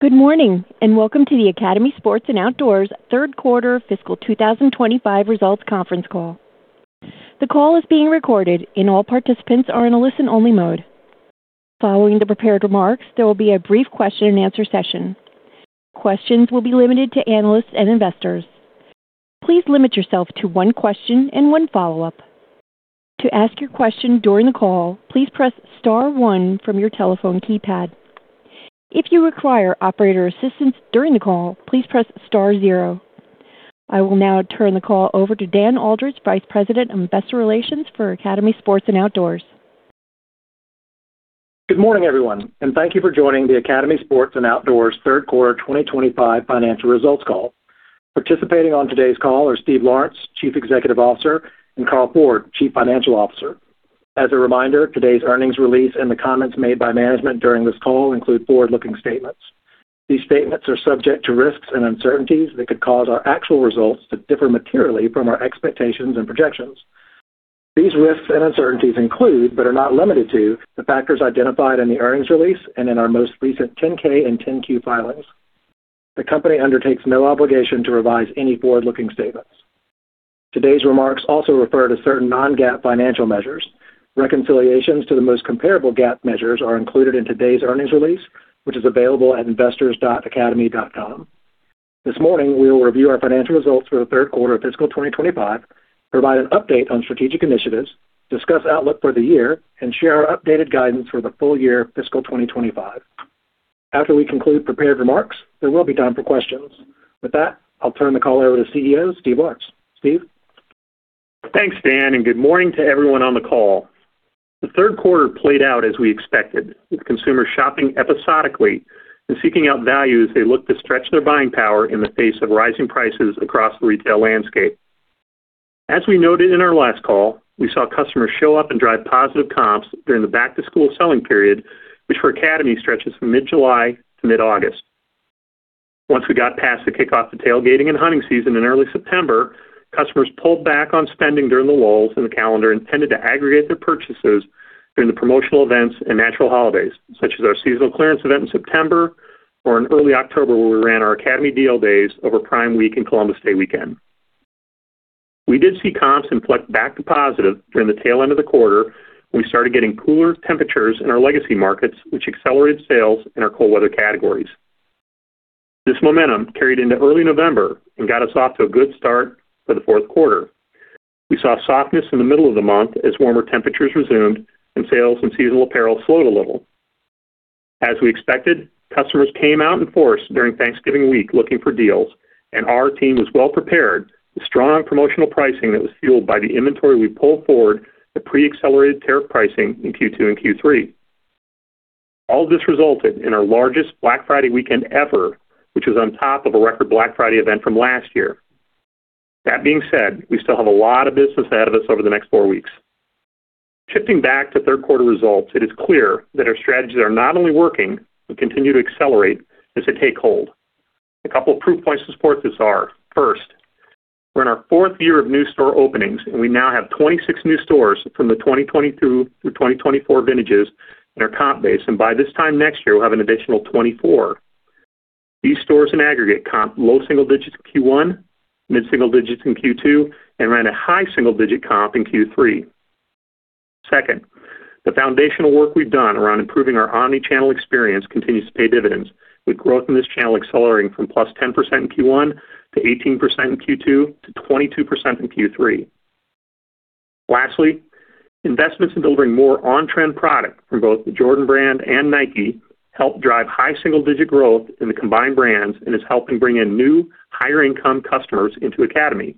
Good morning and welcome to the Academy Sports & Outdoors Third Quarter Fiscal 2025 Results Conference Call. The call is being recorded, and all participants are in a listen-only mode. Following the prepared remarks, there will be a brief question-and-answer session. Questions will be limited to analysts and investors. Please limit yourself to one question and one follow-up. To ask your question during the call, please press star one from your telephone keypad. If you require operator assistance during the call, please press star zero. I will now turn the call over to Dan Aldridge, Vice President of Investor Relations for Academy Sports & Outdoors. Good morning, everyone, and thank you for joining the Academy Sports & Outdoors Third Quarter 2025 Financial Results Call. Participating on today's call are Steve Lawrence, Chief Executive Officer, and Carl Ford, Chief Financial Officer. As a reminder, today's earnings release and the comments made by management during this call include forward-looking statements. These statements are subject to risks and uncertainties that could cause our actual results to differ materially from our expectations and projections. These risks and uncertainties include, but are not limited to, the factors identified in the earnings release and in our most recent 10-K and 10-Q filings. The company undertakes no obligation to revise any forward-looking statements. Today's remarks also refer to certain non-GAAP financial measures. Reconciliations to the most comparable GAAP measures are included in today's earnings release, which is available at investors.academy.com. This morning, we will review our financial results for the third quarter of fiscal 2025, provide an update on strategic initiatives, discuss outlook for the year, and share our updated guidance for the full year fiscal 2025. After we conclude prepared remarks, there will be time for questions. With that, I'll turn the call over to CEO Steve Lawrence. Steve. Thanks, Dan, and good morning to everyone on the call. The third quarter played out as we expected, with consumers shopping episodically and seeking out values they look to stretch their buying power in the face of rising prices across the retail landscape. As we noted in our last call, we saw customers show up and drive positive comps during the back-to-school selling period, which for Academy stretches from mid-July to mid-August. Once we got past the kickoff to tailgating and hunting season in early September, customers pulled back on spending during the lulls in the calendar and tended to aggregate their purchases during the promotional events and natural holidays, such as our seasonal clearance event in September or in early October when we ran our Academy Deal Days over Prime Week and Columbus Day weekend. We did see comps inflect back to positive during the tail end of the quarter when we started getting cooler temperatures in our legacy markets, which accelerated sales in our cold weather categories. This momentum carried into early November and got us off to a good start for the fourth quarter. We saw softness in the middle of the month as warmer temperatures resumed and sales in seasonal apparel slowed a little. As we expected, customers came out in force during Thanksgiving week looking for deals, and our team was well prepared with strong promotional pricing that was fueled by the inventory we pulled forward at pre-accelerated tariff pricing in Q2 and Q3. All of this resulted in our largest Black Friday weekend ever, which was on top of a record Black Friday event from last year. That being said, we still have a lot of business ahead of us over the next four weeks. Shifting back to third quarter results, it is clear that our strategies are not only working but continue to accelerate as they take hold. A couple of proof points to support this are: first, we're in our fourth year of new store openings, and we now have 26 new stores from the 2022 through 2024 vintages in our comp base, and by this time next year, we'll have an additional 24. These stores in aggregate comp low single digits in Q1, mid-single digits in Q2, and ran a high single digit comp in Q3. Second, the foundational work we've done around improving our omnichannel experience continues to pay dividends, with growth in this channel accelerating from +10% in Q1 to 18% in Q2 to 22% in Q3. Lastly, investments in delivering more on-trend product from both the Jordan Brand and Nike help drive high-single-digit growth in the combined brands and is helping bring in new, higher-income customers into Academy.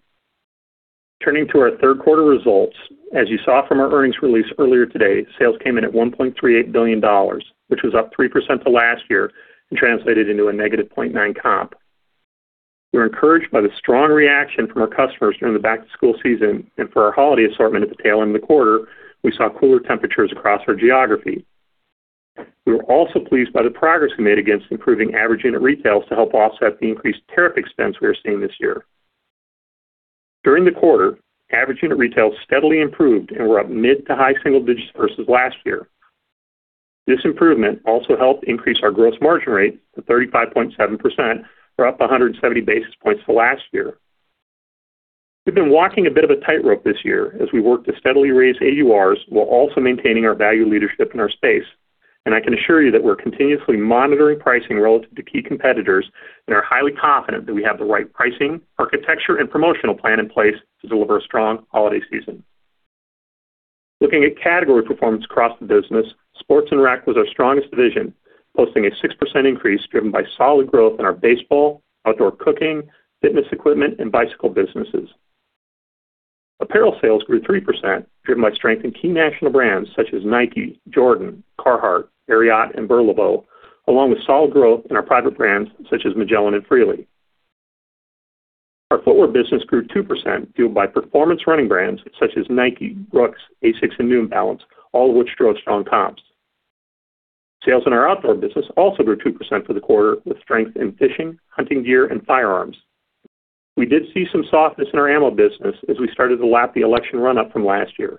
Turning to our third quarter results, as you saw from our earnings release earlier today, sales came in at $1.38 billion, which was up 3% to last year and translated into a negative 0.9% comp. We're encouraged by the strong reaction from our customers during the back-to-school season and for our holiday assortment at the tail end of the quarter; we saw cooler temperatures across our geography. We were also pleased by the progress we made against improving average unit retails to help offset the increased tariff expense we are seeing this year. During the quarter, average unit retails steadily improved and were up mid- to high-single digits versus last year. This improvement also helped increase our gross margin rate to 35.7%, or up 170 basis points to last year. We've been walking a bit of a tightrope this year as we work to steadily raise AURs while also maintaining our value leadership in our space, and I can assure you that we're continuously monitoring pricing relative to key competitors and are highly confident that we have the right pricing, architecture, and promotional plan in place to deliver a strong holiday season. Looking at category performance across the business, sports and rec was our strongest division, posting a 6% increase driven by solid growth in our baseball, outdoor cooking, fitness equipment, and bicycle businesses. Apparel sales grew 3%, driven by strength in key national brands such as Nike, Jordan, Carhartt, Ariat, and Burlebo, along with solid growth in our private brands such as Magellan and Freely. Our footwear business grew 2%, fueled by performance running brands such as Nike, Brooks, ASICS, and New Balance, all of which drove strong comps. Sales in our outdoor business also grew 2% for the quarter, with strength in fishing, hunting gear, and firearms. We did see some softness in our ammo business as we started to lap the election run-up from last year.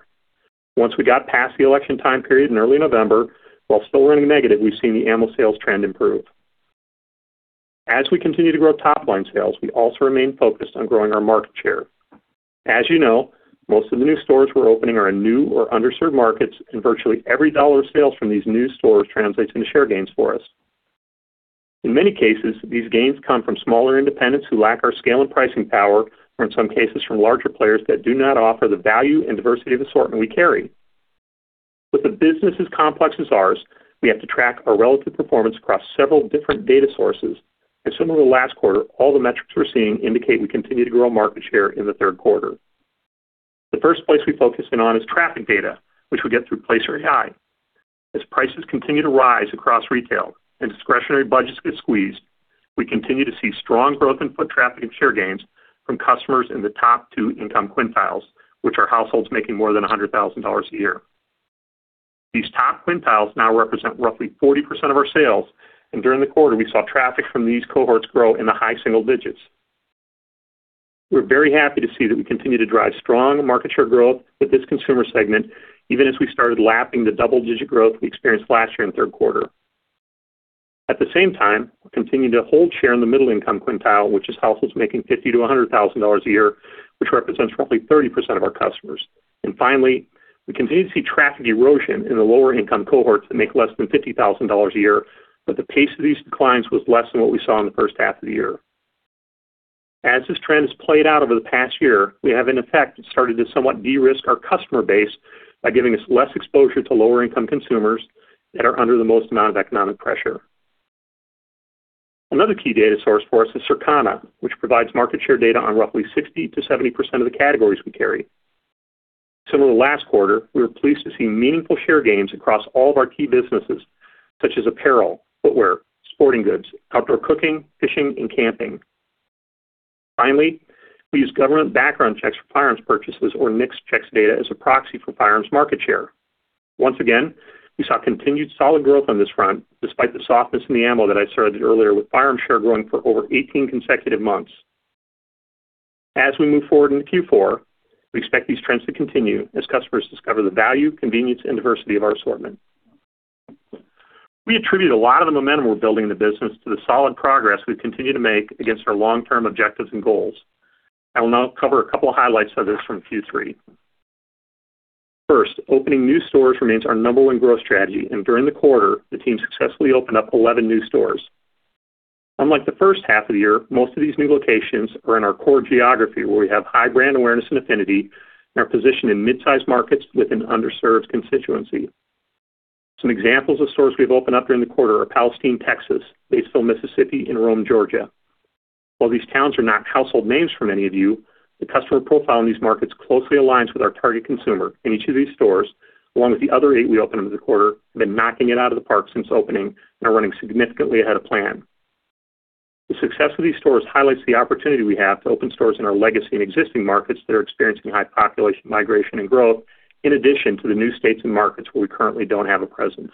Once we got past the election time period in early November, while still running negative, we've seen the ammo sales trend improve. As we continue to grow top-line sales, we also remain focused on growing our market share. As you know, most of the new stores we're opening are in new or underserved markets, and virtually every dollar of sales from these new stores translates into share gains for us. In many cases, these gains come from smaller independents who lack our scale and pricing power, or in some cases, from larger players that do not offer the value and diversity of assortment we carry. With a business as complex as ours, we have to track our relative performance across several different data sources, and similar to last quarter, all the metrics we're seeing indicate we continue to grow market share in the third quarter. The first place we focus in on is traffic data, which we get through Placer.ai. As prices continue to rise across retail and discretionary budgets get squeezed, we continue to see strong growth in foot traffic and share gains from customers in the top two income quintiles, which are households making more than $100,000 a year. These top quintiles now represent roughly 40% of our sales, and during the quarter, we saw traffic from these cohorts grow in the high single digits. We're very happy to see that we continue to drive strong market share growth with this consumer segment, even as we started lapping the double-digit growth we experienced last year in third quarter. At the same time, we continue to hold share in the middle-income quintile, which is households making $50,000 to $100,000 a year, which represents roughly 30% of our customers. And finally, we continue to see traffic erosion in the lower-income cohorts that make less than $50,000 a year, but the pace of these declines was less than what we saw in the first half of the year. As this trend has played out over the past year, we have, in effect, started to somewhat de-risk our customer base by giving us less exposure to lower-income consumers that are under the most amount of economic pressure. Another key data source for us is Circana, which provides market share data on roughly 60% to 70% of the categories we carry. Similar to last quarter, we were pleased to see meaningful share gains across all of our key businesses, such as apparel, footwear, sporting goods, outdoor cooking, fishing, and camping. Finally, we use government background checks for firearms purchases, or NICS checks data, as a proxy for firearms market share. Once again, we saw continued solid growth on this front, despite the softness in the ammo that I asserted earlier, with firearms share growing for over 18 consecutive months. As we move forward into Q4, we expect these trends to continue as customers discover the value, convenience, and diversity of our assortment. We attribute a lot of the momentum we're building in the business to the solid progress we've continued to make against our long-term objectives and goals. I will now cover a couple of highlights of this from Q3. First, opening new stores remains our number one growth strategy, and during the quarter, the team successfully opened up 11 new stores. Unlike the first half of the year, most of these new locations are in our core geography, where we have high brand awareness and affinity, and are positioned in mid-sized markets with an underserved constituency. Some examples of stores we've opened up during the quarter are Palestine, Texas, Batesville, Mississippi, and Rome, Georgia. While these towns are not household names for many of you, the customer profile in these markets closely aligns with our target consumer, and each of these stores, along with the other eight we opened up in the quarter, have been knocking it out of the park since opening and are running significantly ahead of plan. The success of these stores highlights the opportunity we have to open stores in our legacy and existing markets that are experiencing high population migration and growth, in addition to the new states and markets where we currently don't have a presence.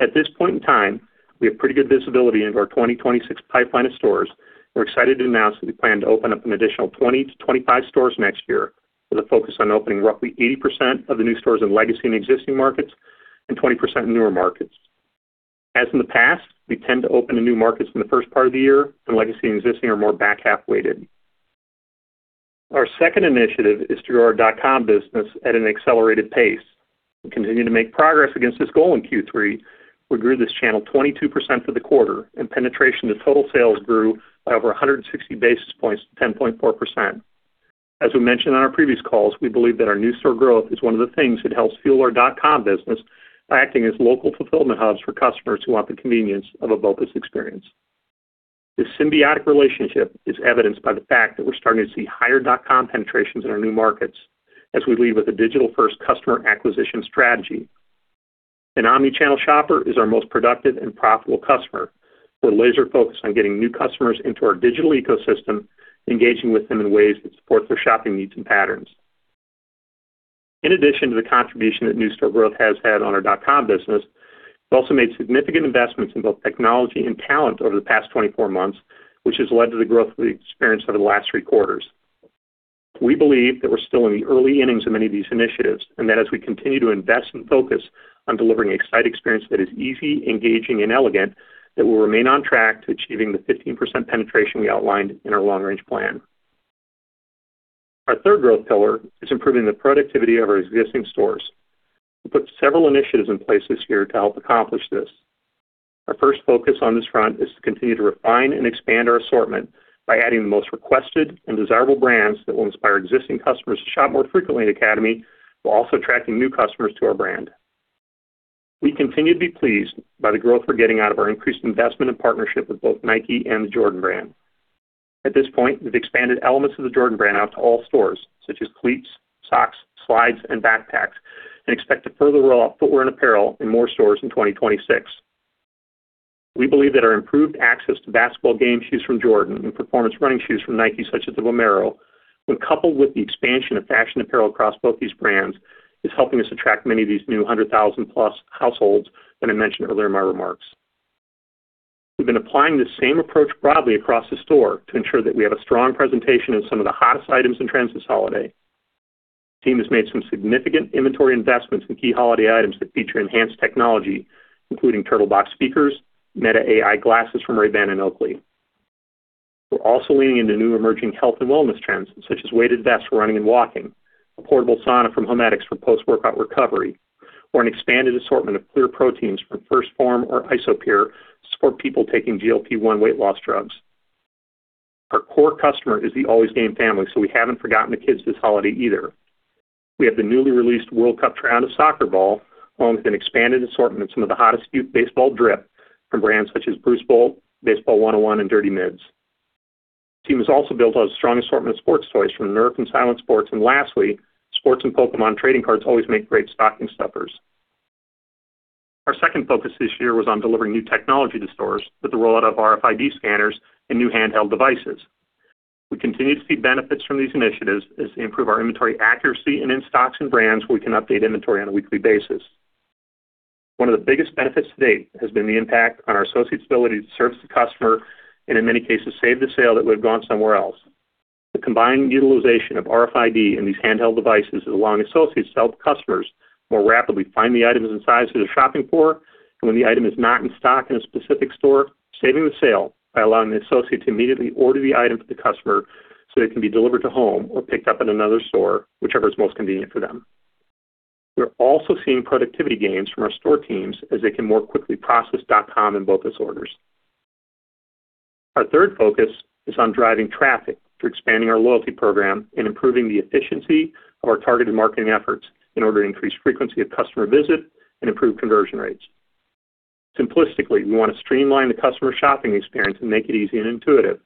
At this point in time, we have pretty good visibility into our 2026 pipeline of stores. We're excited to announce that we plan to open up an additional 20-25 stores next year, with a focus on opening roughly 80% of the new stores in legacy and existing markets and 20% in newer markets. As in the past, we tend to open in new markets in the first part of the year, and legacy and existing are more back half-weighted. Our second initiative is to grow our dot-com business at an accelerated pace. We continue to make progress against this goal in Q3. We grew this channel 22% for the quarter, and penetration to total sales grew by over 160 basis points to 10.4%. As we mentioned on our previous calls, we believe that our new store growth is one of the things that helps fuel our dot-com business by acting as local fulfillment hubs for customers who want the convenience of a BOPIS experience. This symbiotic relationship is evidenced by the fact that we're starting to see higher dot-com penetrations in our new markets as we lead with a digital-first customer acquisition strategy. An omnichannel shopper is our most productive and profitable customer. We're laser-focused on getting new customers into our digital ecosystem, engaging with them in ways that support their shopping needs and patterns. In addition to the contribution that new store growth has had on our dot-com business, we've also made significant investments in both technology and talent over the past 24 months, which has led to the growth of the experience over the last three quarters. We believe that we're still in the early innings of many of these initiatives and that as we continue to invest and focus on delivering a site experience that is easy, engaging, and elegant, that we'll remain on track to achieving the 15% penetration we outlined in our long-range plan. Our third growth pillar is improving the productivity of our existing stores. We put several initiatives in place this year to help accomplish this. Our first focus on this front is to continue to refine and expand our assortment by adding the most requested and desirable brands that will inspire existing customers to shop more frequently at Academy, while also attracting new customers to our brand. We continue to be pleased by the growth we're getting out of our increased investment and partnership with both Nike and the Jordan Brand. At this point, we've expanded elements of the Jordan Brand out to all stores, such as cleats, socks, slides, and backpacks, and expect to further roll out footwear and apparel in more stores in 2026. We believe that our improved access to basketball game shoes from Jordan and performance running shoes from Nike, such as the Vomero, when coupled with the expansion of fashion apparel across both these brands, is helping us attract many of these new 100,000-plus households that I mentioned earlier in my remarks. We've been applying this same approach broadly across the store to ensure that we have a strong presentation in some of the hottest items in trends this holiday. The team has made some significant inventory investments in key holiday items that feature enhanced technology, including Turtlebox speakers, Meta AI glasses from Ray-Ban and Oakley. We're also leaning into new emerging health and wellness trends, such as weighted vests for running and walking, a portable sauna from HoMedics for post-workout recovery, or an expanded assortment of clear proteins from 1st Phorm or Isopure to support people taking GLP-1 weight loss drugs. Our core customer is the Always Game family, so we haven't forgotten the kids this holiday either. We have the newly released World Cup Tiro soccer ball, along with an expanded assortment of some of the hottest youth baseball drip from brands such as Bruce Bolt, Baseball Lifestyle 101, and Dirty Mids. The team has also built a strong assortment of sports toys from Nerf and silent sports, and lastly, sports and Pokémon trading cards always make great stocking stuffers. Our second focus this year was on delivering new technology to stores with the rollout of RFID scanners and new handheld devices. We continue to see benefits from these initiatives as they improve our inventory accuracy and in-stocks and brands where we can update inventory on a weekly basis. One of the biggest benefits to date has been the impact on our associates' ability to service the customer and, in many cases, save the sale that would have gone somewhere else. The combined utilization of RFID and these handheld devices has allowed associates to help customers more rapidly find the items and sizes they're shopping for, and when the item is not in stock in a specific store, saving the sale by allowing the associate to immediately order the item for the customer so it can be delivered to home or picked up at another store, whichever is most convenient for them. We're also seeing productivity gains from our store teams as they can more quickly process dot-com and BOPIS orders. Our third focus is on driving traffic through expanding our loyalty program and improving the efficiency of our targeted marketing efforts in order to increase frequency of customer visit and improve conversion rates. Simplistically, we want to streamline the customer shopping experience and make it easy and intuitive.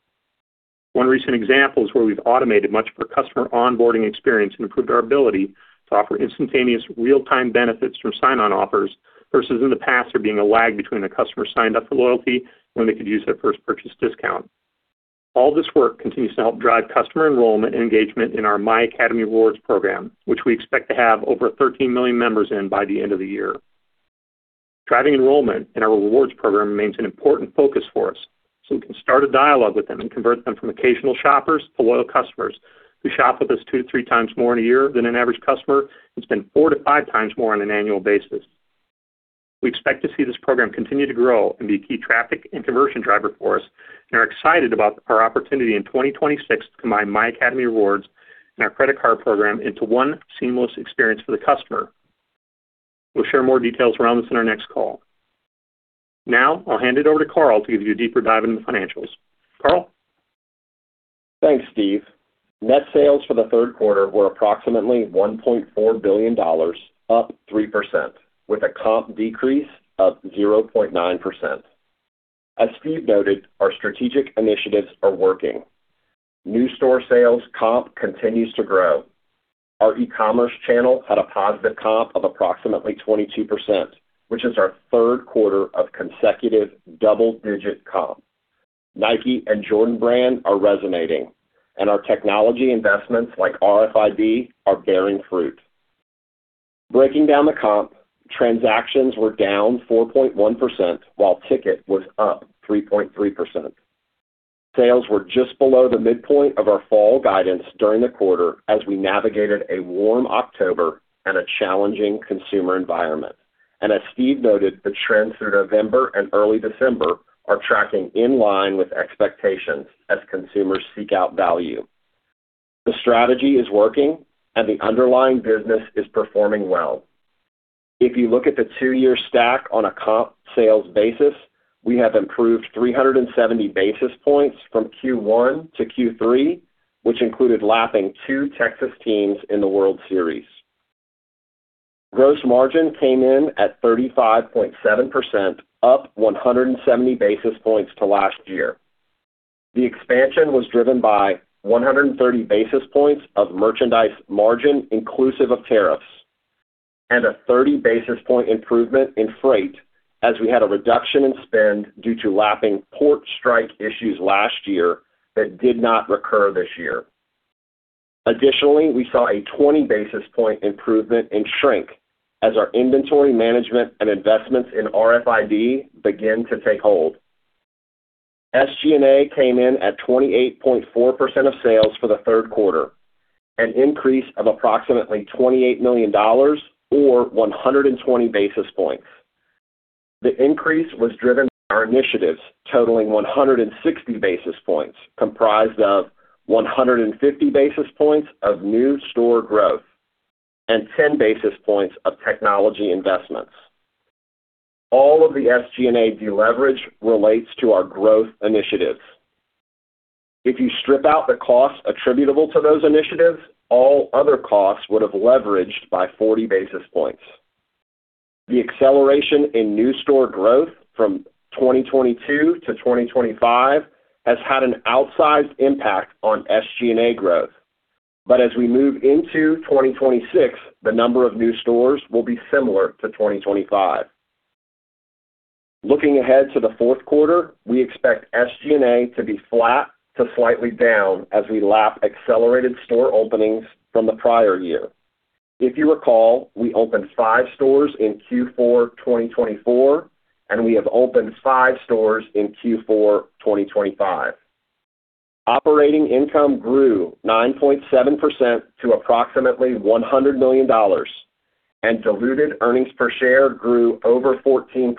One recent example is where we've automated much of our customer onboarding experience and improved our ability to offer instantaneous, real-time benefits from sign-on offers versus in the past there being a lag between the customer signed up for loyalty when they could use their first purchase discount. All this work continues to help drive customer enrollment and engagement in our myAcademy Rewards program, which we expect to have over 13 million members in by the end of the year. Driving enrollment in our rewards program remains an important focus for us so we can start a dialogue with them and convert them from occasional shoppers to loyal customers who shop with us two to three times more in a year than an average customer and spend four to five times more on an annual basis. We expect to see this program continue to grow and be a key traffic and conversion driver for us, and are excited about our opportunity in 2026 to combine myAcademy Rewards and our credit card program into one seamless experience for the customer. We'll share more details around this in our next call. Now, I'll hand it over to Carl to give you a deeper dive into the financials. Carl. Thanks, Steve. Net sales for the third quarter were approximately $1.4 billion, up 3%, with a comp decrease of 0.9%. As Steve noted, our strategic initiatives are working. New store sales comp continues to grow. Our e-commerce channel had a positive comp of approximately 22%, which is our third quarter of consecutive double-digit comp. Nike and Jordan Brand are resonating, and our technology investments like RFID are bearing fruit. Breaking down the comp, transactions were down 4.1% while ticket was up 3.3%. Sales were just below the midpoint of our fall guidance during the quarter as we navigated a warm October and a challenging consumer environment. And as Steve noted, the trends through November and early December are tracking in line with expectations as consumers seek out value. The strategy is working, and the underlying business is performing well. If you look at the two-year stack on a comp sales basis, we have improved 370 basis points from Q1 to Q3, which included lapping two Texas teams in the World Series. Gross margin came in at 35.7%, up 170 basis points to last year. The expansion was driven by 130 basis points of merchandise margin inclusive of tariffs and a 30 basis point improvement in freight as we had a reduction in spend due to lapping port strike issues last year that did not recur this year. Additionally, we saw a 20 basis point improvement in shrink as our inventory management and investments in RFID began to take hold. SG&A came in at 28.4% of sales for the third quarter, an increase of approximately $28 million, or 120 basis points. The increase was driven by our initiatives totaling 160 basis points, comprised of 150 basis points of new store growth and 10 basis points of technology investments. All of the SG&A deleverage relates to our growth initiatives. If you strip out the costs attributable to those initiatives, all other costs would have leveraged by 40 basis points. The acceleration in new store growth from 2022 to 2025 has had an outsized impact on SG&A growth, but as we move into 2026, the number of new stores will be similar to 2025. Looking ahead to the fourth quarter, we expect SG&A to be flat to slightly down as we lap accelerated store openings from the prior year. If you recall, we opened five stores in Q4 2024, and we have opened five stores in Q4 2025. Operating income grew 9.7% to approximately $100 million, and diluted earnings per share grew over 14%,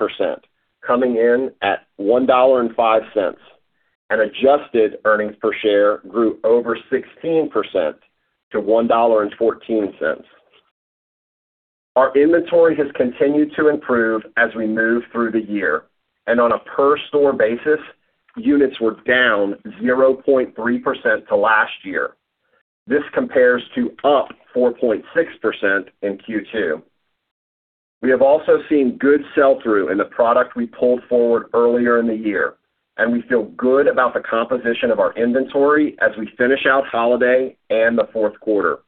coming in at $1.05, and adjusted earnings per share grew over 16% to $1.14. Our inventory has continued to improve as we move through the year, and on a per-store basis, units were down 0.3% to last year. This compares to up 4.6% in Q2. We have also seen good sell-through in the product we pulled forward earlier in the year, and we feel good about the composition of our inventory as we finish out holiday and the fourth quarter.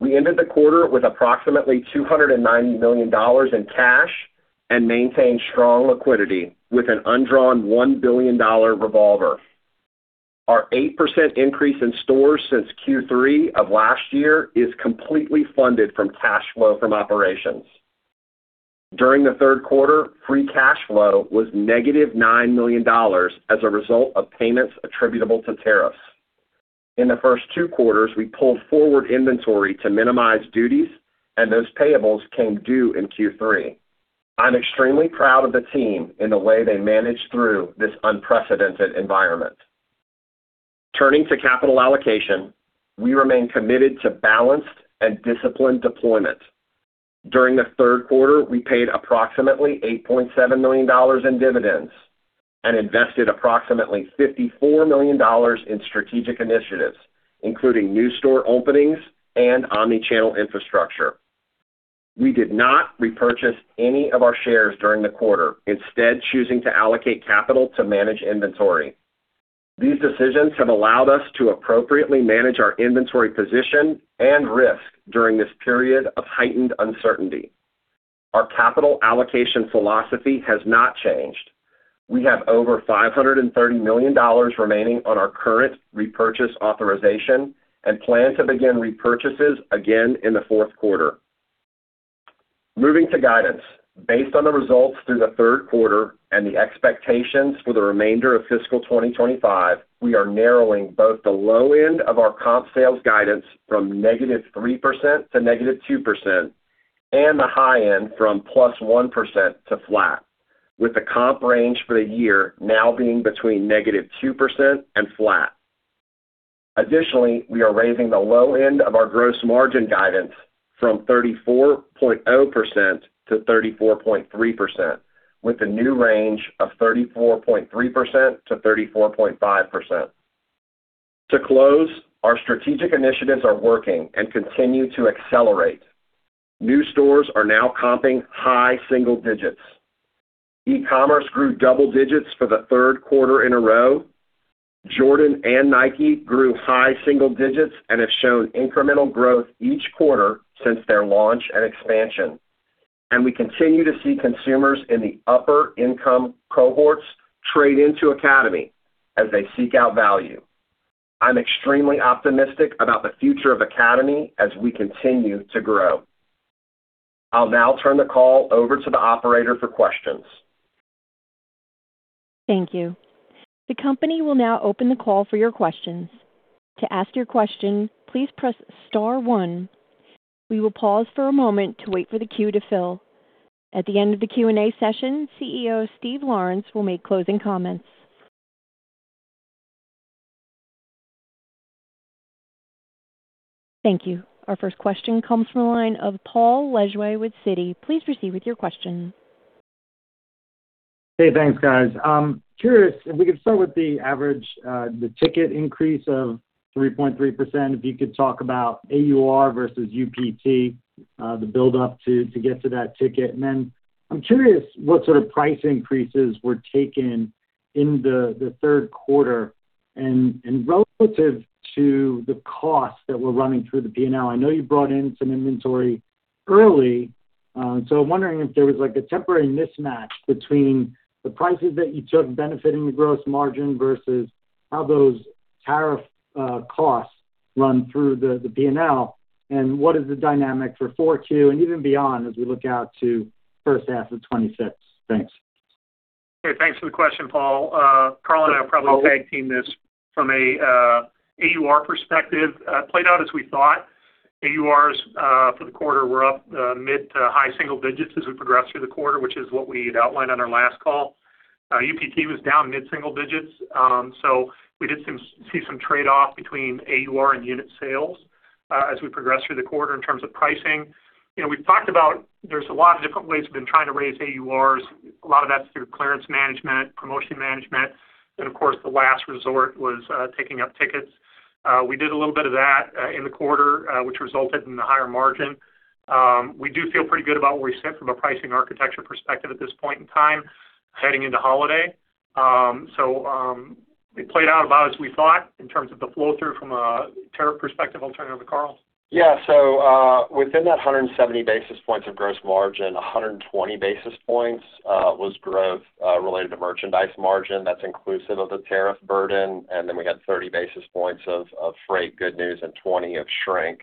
We ended the quarter with approximately $290 million in cash and maintained strong liquidity with an undrawn $1 billion revolver. Our 8% increase in stores since Q3 of last year is completely funded from cash flow from operations. During the third quarter, free cash flow was negative $9 million as a result of payments attributable to tariffs. In the first two quarters, we pulled forward inventory to minimize duties, and those payables came due in Q3. I'm extremely proud of the team and the way they managed through this unprecedented environment. Turning to capital allocation, we remain committed to balanced and disciplined deployment. During the third quarter, we paid approximately $8.7 million in dividends and invested approximately $54 million in strategic initiatives, including new store openings and omnichannel infrastructure. We did not repurchase any of our shares during the quarter, instead choosing to allocate capital to manage inventory. These decisions have allowed us to appropriately manage our inventory position and risk during this period of heightened uncertainty. Our capital allocation philosophy has not changed. We have over $530 million remaining on our current repurchase authorization and plan to begin repurchases again in the fourth quarter. Moving to guidance, based on the results through the third quarter and the expectations for the remainder of fiscal 2025, we are narrowing both the low end of our comp sales guidance from negative 3% to negative 2% and the high end from plus 1% to flat, with the comp range for the year now being between negative 2% and flat. Additionally, we are raising the low end of our gross margin guidance from 34.0% to 34.3%, with a new range of 34.3% to 34.5%. To close, our strategic initiatives are working and continue to accelerate. New stores are now comping high single digits. E-commerce grew double digits for the third quarter in a row. Jordan and Nike grew high single digits and have shown incremental growth each quarter since their launch and expansion. We continue to see consumers in the upper income cohorts trade into Academy as they seek out value. I'm extremely optimistic about the future of Academy as we continue to grow. I'll now turn the call over to the operator for questions. Thank you. The company will now open the call for your questions. To ask your question, please press star one. We will pause for a moment to wait for the queue to fill. At the end of the Q&A session, CEO Steve Lawrence will make closing comments. Thank you. Our first question comes from the line of Paul Lejuez with Citi. Please proceed with your question. Hey, thanks, guys. I'm curious if we could start with the average ticket increase of 3.3%, if you could talk about AUR versus UPT, the build-up to get to that ticket, and then I'm curious what sort of price increases were taken in the third quarter relative to the costs that were running through the P&L. I know you brought in some inventory early, so I'm wondering if there was a temporary mismatch between the prices that you took benefiting the gross margin versus how those tariff costs run through the P&L, and what is the dynamic for 4Q and even beyond as we look out to first half of 2026? Thanks. Hey, thanks for the question, Paul. Carl and I will probably tag team this from an AUR perspective. It played out as we thought. AURs for the quarter were up mid- to high-single digits as we progressed through the quarter, which is what we had outlined on our last call. UPT was down mid-single digits, so we did see some trade-off between AUR and unit sales as we progressed through the quarter in terms of pricing. We've talked about there's a lot of different ways we've been trying to raise AURs. A lot of that's through clearance management, promotion management, and of course, the last resort was taking up tickets. We did a little bit of that in the quarter, which resulted in the higher margin. We do feel pretty good about where we sit from a pricing architecture perspective at this point in time heading into holiday. So it played out about as we thought in terms of the flow through from a tariff perspective. I'll turn it over to Carl. Yeah. So within that 170 basis points of gross margin, 120 basis points was growth related to merchandise margin. That's inclusive of the tariff burden. And then we had 30 basis points of freight good news and 20 of shrink.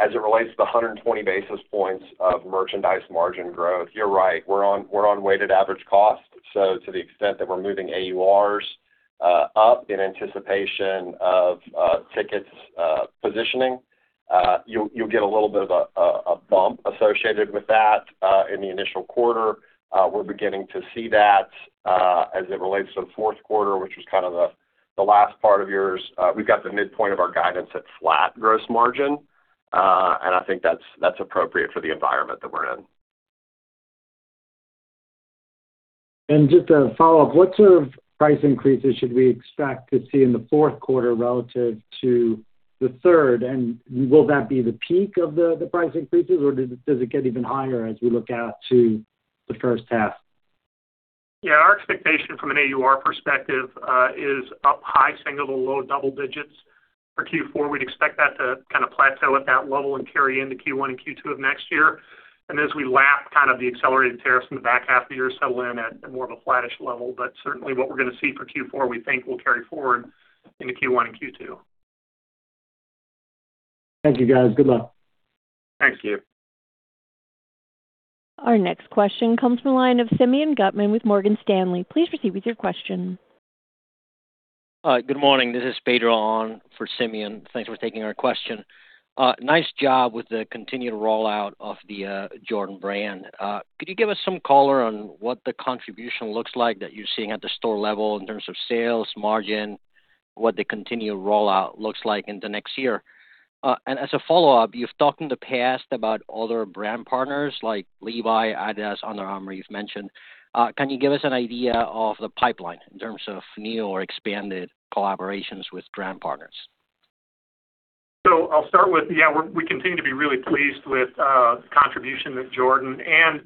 As it relates to the 120 basis points of merchandise margin growth, you're right. We're on weighted average cost. So to the extent that we're moving AURs up in anticipation of tickets positioning, you'll get a little bit of a bump associated with that in the initial quarter. We're beginning to see that as it relates to the fourth quarter, which was kind of the last part of yours. We've got the midpoint of our guidance at flat gross margin, and I think that's appropriate for the environment that we're in. And just a follow-up. What sort of price increases should we expect to see in the fourth quarter relative to the third? And will that be the peak of the price increases, or does it get even higher as we look out to the first half? Yeah. Our expectation from an AUR perspective is up high single, low double digits for Q4. We'd expect that to kind of plateau at that level and carry into Q1 and Q2 of next year. And as we lap kind of the accelerated tariffs in the back half of the year, settle in at more of a flattish level. But certainly, what we're going to see for Q4, we think, will carry forward into Q1 and Q2. Thank you, guys. Good luck. Thank you. Our next question comes from the line of Simeon Gutman with Morgan Stanley. Please proceed with your question. Good morning. This is Pedro for Simeon. Thanks for taking our question. Nice job with the continued rollout of the Jordan brand. Could you give us some color on what the contribution looks like that you're seeing at the store level in terms of sales, margin, what the continued rollout looks like in the next year? And as a follow-up, you've talked in the past about other brand partners like Levi's, Adidas, Under Armour you've mentioned. Can you give us an idea of the pipeline in terms of new or expanded collaborations with brand partners? So I'll start with, yeah, we continue to be really pleased with the contribution that Jordan and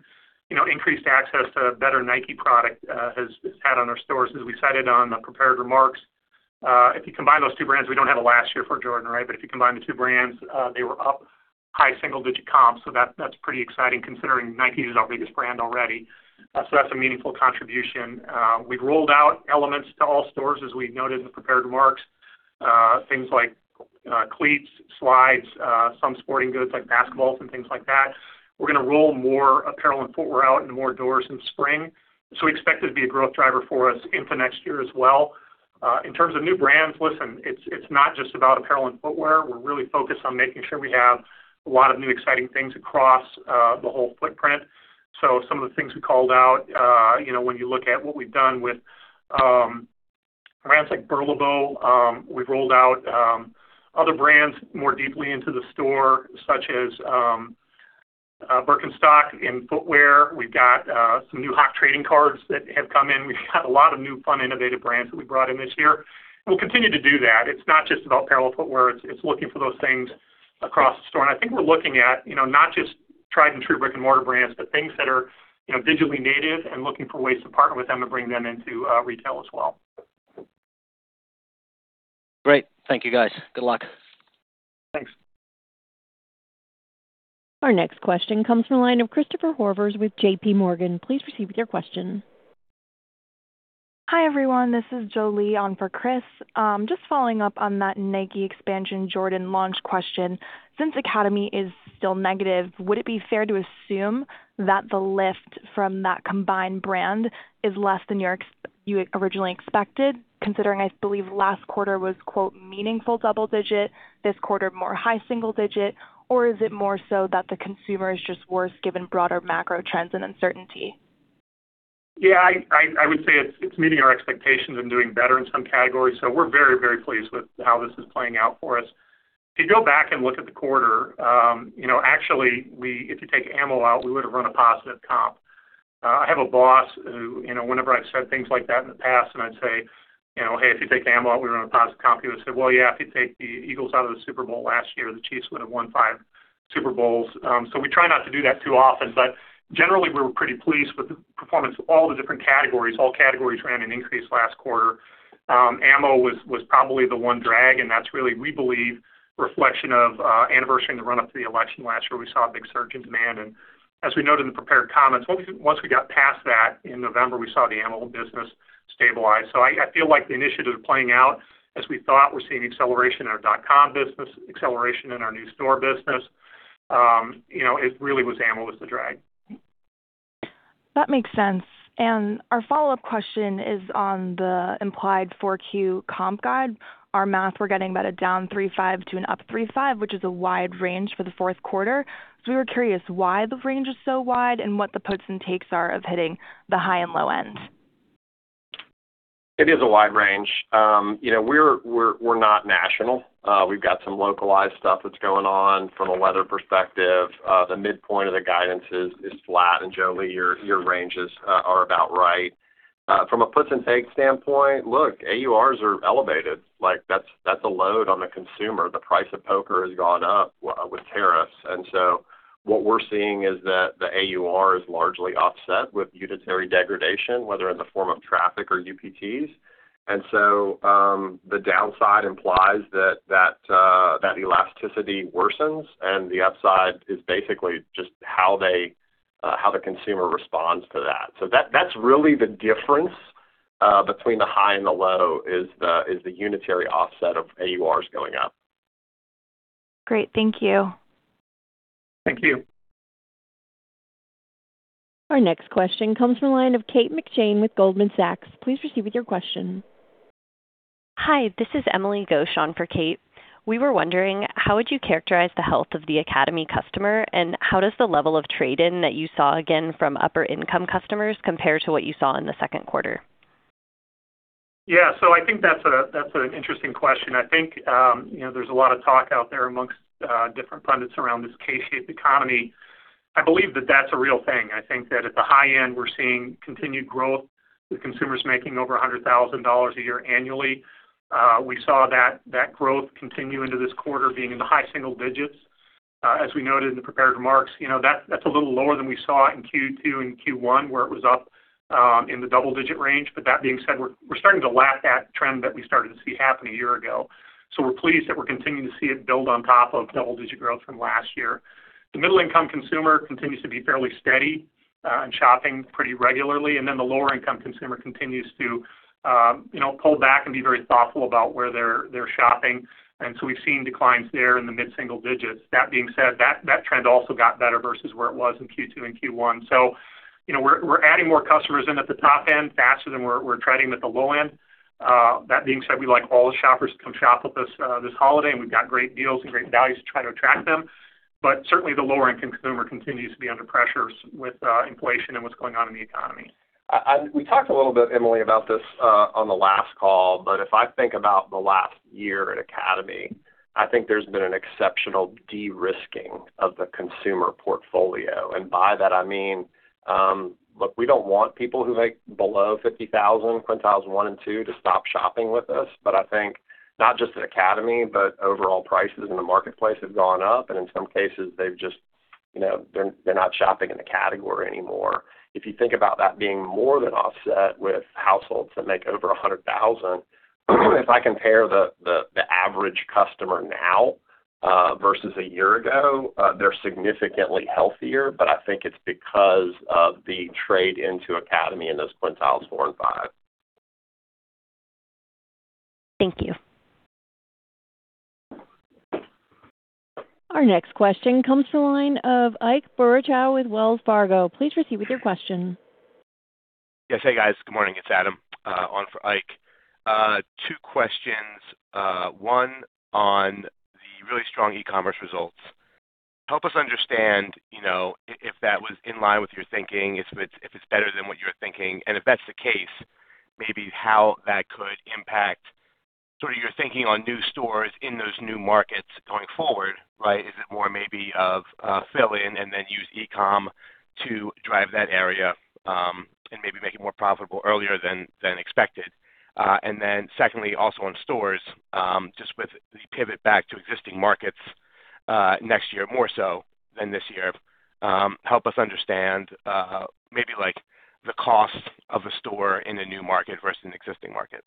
increased access to better Nike product has had on our stores, as we cited on the prepared remarks. If you combine those two brands, we don't have a last year for Jordan, right? But if you combine the two brands, they were up high single-digit comp. So that's pretty exciting considering Nike is our biggest brand already. So that's a meaningful contribution. We've rolled out elements to all stores, as we noted in the prepared remarks, things like cleats, slides, some sporting goods like basketballs and things like that. We're going to roll more apparel and footwear out into more doors in spring. So we expect it to be a growth driver for us into next year as well. In terms of new brands, listen, it's not just about apparel and footwear. We're really focused on making sure we have a lot of new exciting things across the whole footprint. So some of the things we called out, when you look at what we've done with brands like Burlebo, we've rolled out other brands more deeply into the store, such as Birkenstock in footwear. We've got some new hot trading cards that have come in. We've got a lot of new fun, innovative brands that we brought in this year. We'll continue to do that. It's not just about apparel and footwear. It's looking for those things across the store, and I think we're looking at not just tried-and-true brick-and-mortar brands, but things that are digitally native and looking for ways to partner with them and bring them into retail as well. Great. Thank you, guys. Good luck. Thanks. Our next question comes from the line of Christopher Horvers with J.P. Morgan. Please proceed with your question. Hi everyone. This is Jolie on for Chris. Just following up on that Nike expansion Jordan launch question. Since Academy is still negative, would it be fair to assume that the lift from that combined brand is less than you originally expected, considering I believe last quarter was "meaningful double digit," this quarter more high single digit, or is it more so that the consumer is just worse given broader macro trends and uncertainty? Yeah. I would say it's meeting our expectations and doing better in some categories. So we're very, very pleased with how this is playing out for us. If you go back and look at the quarter, actually, if you take ammo out, we would have run a positive comp. I have a boss who, whenever I've said things like that in the past, and I'd say, "Hey, if you take ammo out, we run a positive comp," he would say, "Well, yeah, if you take the Eagles out of the Super Bowl last year, the Chiefs would have won five Super Bowls." So we try not to do that too often. But generally, we were pretty pleased with the performance of all the different categories. All categories ran an increase last quarter. Ammo was probably the one drag, and that's really, we believe, a reflection of anniversary in the run-up to the election last year. We saw a big surge in demand, and as we noted in the prepared comments, once we got past that in November, we saw the ammo business stabilize, so I feel like the initiative is playing out as we thought. We're seeing acceleration in our dot-com business, acceleration in our new store business. It really was. Ammo was the drag. That makes sense. Our follow-up question is on the implied Q4 comp guide. Our math, we're getting about a down 3.5% to an up 3.5%, which is a wide range for the fourth quarter. We were curious why the range is so wide and what the puts and takes are of hitting the high and low end. It is a wide range. We're not national. We've got some localized stuff that's going on from a weather perspective. The midpoint of the guidance is flat, and Jolie, your ranges are about right. From a puts and takes standpoint, look, AURs are elevated. That's a load on the consumer. The price of poker has gone up with tariffs, and so what we're seeing is that the AUR is largely offset with unitary degradation, whether in the form of traffic or UPTs. And so the downside implies that that elasticity worsens, and the upside is basically just how the consumer responds to that, so that's really the difference between the high and the low is the unitary offset of AURs going up. Great. Thank you. Thank you. Our next question comes from the line of Kate McShane with Goldman Sachs. Please proceed with your question. Hi. This is Emily Ghosh for Kate McShane. We were wondering, how would you characterize the health of the Academy customer, and how does the level of trade-in that you saw again from upper-income customers compare to what you saw in the second quarter? Yeah. So I think that's an interesting question. I think there's a lot of talk out there amongst different pundits around this K-shaped economy. I believe that that's a real thing. I think that at the high end, we're seeing continued growth. The consumer's making over $100,000 a year annually. We saw that growth continue into this quarter being in the high single digits. As we noted in the prepared remarks, that's a little lower than we saw in Q2 and Q1, where it was up in the double-digit range. But that being said, we're starting to lap that trend that we started to see happen a year ago. So we're pleased that we're continuing to see it build on top of double-digit growth from last year. The middle-income consumer continues to be fairly steady and shopping pretty regularly. The lower-income consumer continues to pull back and be very thoughtful about where they're shopping. We've seen declines there in the mid-single digits. That being said, that trend also got better versus where it was in Q2 and Q1. We're adding more customers in at the top end faster than we're shedding at the low end. That being said, we like all the shoppers to come shop with us this holiday, and we've got great deals and great values to try to attract them. Certainly, the lower-income consumer continues to be under pressure with inflation and what's going on in the economy. We talked a little bit, Emily, about this on the last call. But if I think about the last year at Academy, I think there's been an exceptional de-risking of the consumer portfolio. And by that, I mean, look, we don't want people who make below 50,000, quintiles 1 and 2, to stop shopping with us. But I think not just at Academy, but overall prices in the marketplace have gone up. And in some cases, they're not shopping in the category anymore. If you think about that being more than offset with households that make over 100,000, if I compare the average customer now versus a year ago, they're significantly healthier. But I think it's because of the trade into Academy and those quintiles 4 and 5. Thank you. Our next question comes from the line of Ike Boruchow with Wells Fargo. Please proceed with your question. Yes. Hey, guys. Good morning. It's Adam on for Ike. Two questions. One on the really strong e-commerce results. Help us understand if that was in line with your thinking, if it's better than what you're thinking. And if that's the case, maybe how that could impact sort of your thinking on new stores in those new markets going forward, right? Is it more maybe of fill in and then use e-com to drive that area and maybe make it more profitable earlier than expected? And then secondly, also on stores, just with the pivot back to existing markets next year more so than this year, help us understand maybe the cost of a store in a new market versus an existing market.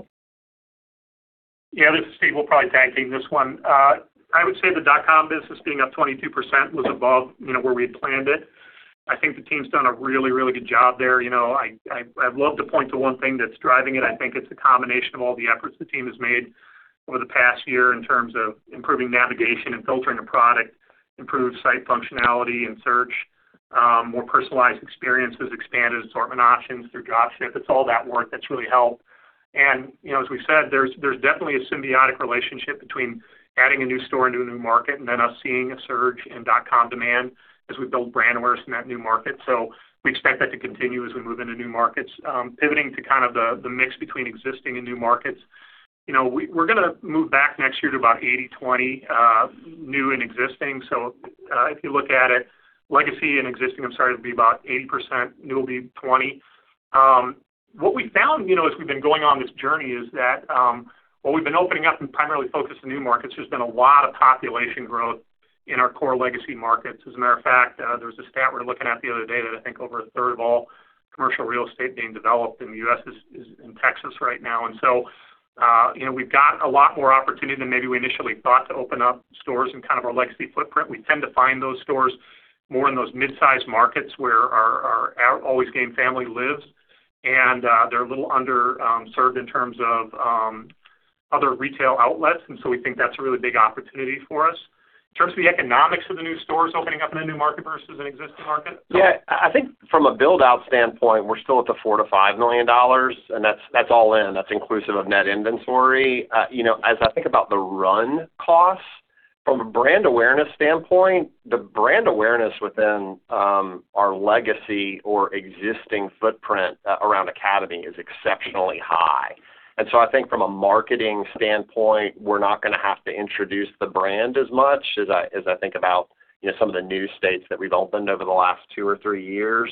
Yeah. This is Steve. We'll probably tag team this one. I would say the dot-com business being up 22% was above where we had planned it. I think the team's done a really, really good job there. I'd love to point to one thing that's driving it. I think it's a combination of all the efforts the team has made over the past year in terms of improving navigation and filtering a product, improved site functionality and search, more personalized experiences, expanded assortment options through drop ship. It's all that work that's really helped. And as we said, there's definitely a symbiotic relationship between adding a new store into a new market and then us seeing a surge in dot-com demand as we build brand awareness in that new market. So we expect that to continue as we move into new markets. Pivoting to kind of the mix between existing and new markets, we're going to move back next year to about 80/20 new and existing. So if you look at it, legacy and existing, I'm sorry, it'll be about 80%, new will be 20. What we found as we've been going on this journey is that while we've been opening up and primarily focused on new markets, there's been a lot of population growth in our core legacy markets. As a matter of fact, there was a stat we were looking at the other day that I think over a third of all commercial real estate being developed in the U.S. is in Texas right now. And so we've got a lot more opportunity than maybe we initially thought to open up stores in kind of our legacy footprint. We tend to find those stores more in those mid-sized markets where our always-game family lives. And they're a little underserved in terms of other retail outlets. And so we think that's a really big opportunity for us. In terms of the economics of the new stores opening up in a new market versus an existing market? Yeah. I think from a build-out standpoint, we're still at the $4-$5 million. And that's all in. That's inclusive of net inventory. As I think about the run costs, from a brand awareness standpoint, the brand awareness within our legacy or existing footprint around Academy is exceptionally high. And so I think from a marketing standpoint, we're not going to have to introduce the brand as much as I think about some of the new states that we've opened over the last two or three years.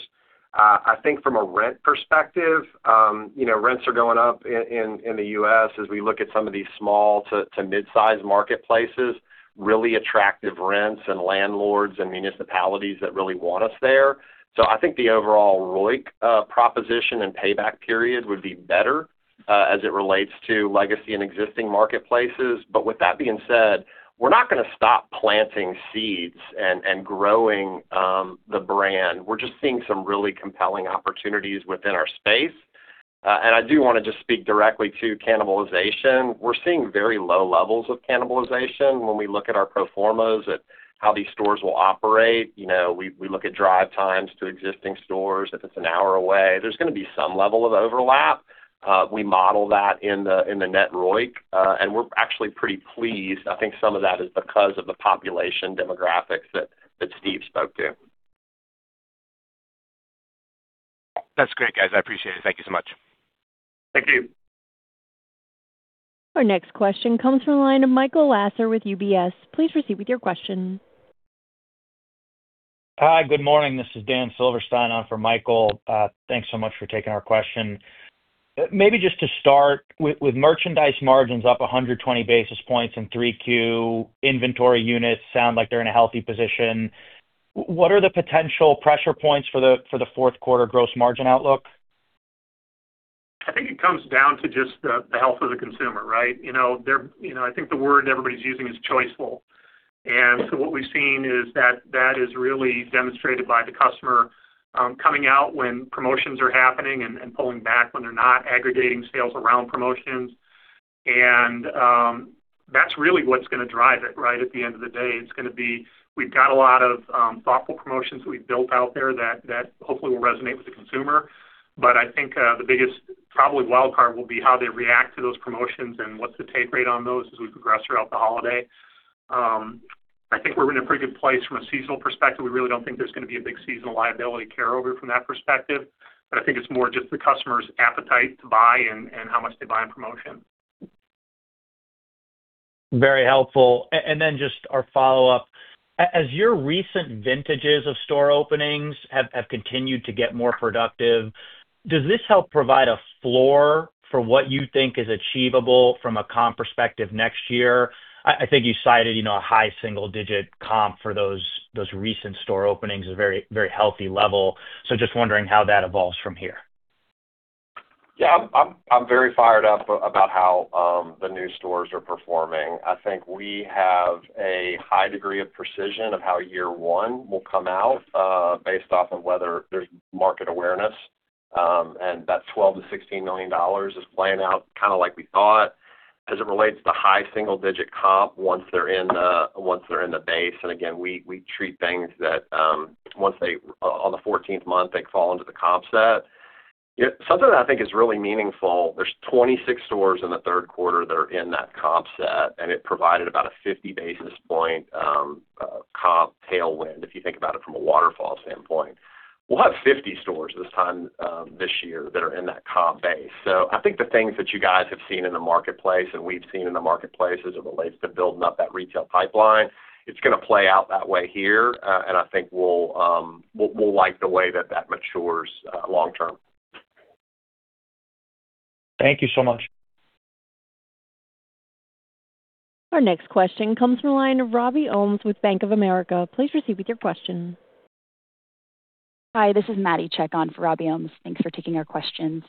I think from a rent perspective, rents are going up in the U.S. as we look at some of these small to mid-sized marketplaces, really attractive rents and landlords and municipalities that really want us there. So I think the overall ROIC proposition and payback period would be better as it relates to legacy and existing marketplaces. But with that being said, we're not going to stop planting seeds and growing the brand. We're just seeing some really compelling opportunities within our space. And I do want to just speak directly to cannibalization. We're seeing very low levels of cannibalization when we look at our pro formas at how these stores will operate. We look at drive times to existing stores. If it's an hour away, there's going to be some level of overlap. We model that in the net ROIC. And we're actually pretty pleased. I think some of that is because of the population demographics that Steve spoke to. That's great, guys. I appreciate it. Thank you so much. Thank you. Our next question comes from the line of Michael Lasser with UBS. Please proceed with your question. Hi. Good morning. This is Dan Silverstein on for Michael. Thanks so much for taking our question. Maybe just to start with merchandise margins up 120 basis points in 3Q. Inventory units sound like they're in a healthy position. What are the potential pressure points for the fourth quarter gross margin outlook? I think it comes down to just the health of the consumer, right? I think the word everybody's using is choiceful. And so what we've seen is that that is really demonstrated by the customer coming out when promotions are happening and pulling back when they're not aggregating sales around promotions. And that's really what's going to drive it, right? At the end of the day, it's going to be we've got a lot of thoughtful promotions that we've built out there that hopefully will resonate with the consumer. But I think the biggest probably wildcard will be how they react to those promotions and what's the take rate on those as we progress throughout the holiday. I think we're in a pretty good place from a seasonal perspective. We really don't think there's going to be a big seasonal liability carryover from that perspective. But I think it's more just the customer's appetite to buy and how much they buy in promotion. Very helpful, and then just our follow-up. As your recent vintages of store openings have continued to get more productive, does this help provide a floor for what you think is achievable from a comp perspective next year? I think you cited a high single-digit comp for those recent store openings, a very healthy level, so just wondering how that evolves from here. Yeah. I'm very fired up about how the new stores are performing. I think we have a high degree of precision of how year one will come out based off of whether there's market awareness. And that $12 million-$16 million is playing out kind of like we thought as it relates to the high single-digit comp once they're in the base. And again, we treat things that once they on the 14th month, they fall into the comp set. Something that I think is really meaningful, there's 26 stores in the third quarter that are in that comp set. And it provided about a 50 basis points comp tailwind if you think about it from a waterfall standpoint. We'll have 50 stores this time this year that are in that comp base. I think the things that you guys have seen in the marketplace and we've seen in the marketplace as it relates to building up that retail pipeline, it's going to play out that way here. I think we'll like the way that that matures long term. Thank you so much. Our next question comes from the line of Robbie Ohmes with Bank of America. Please proceed with your question. Hi. This is Maddie Chacon for Robbie Ohmes. Thanks for taking our questions.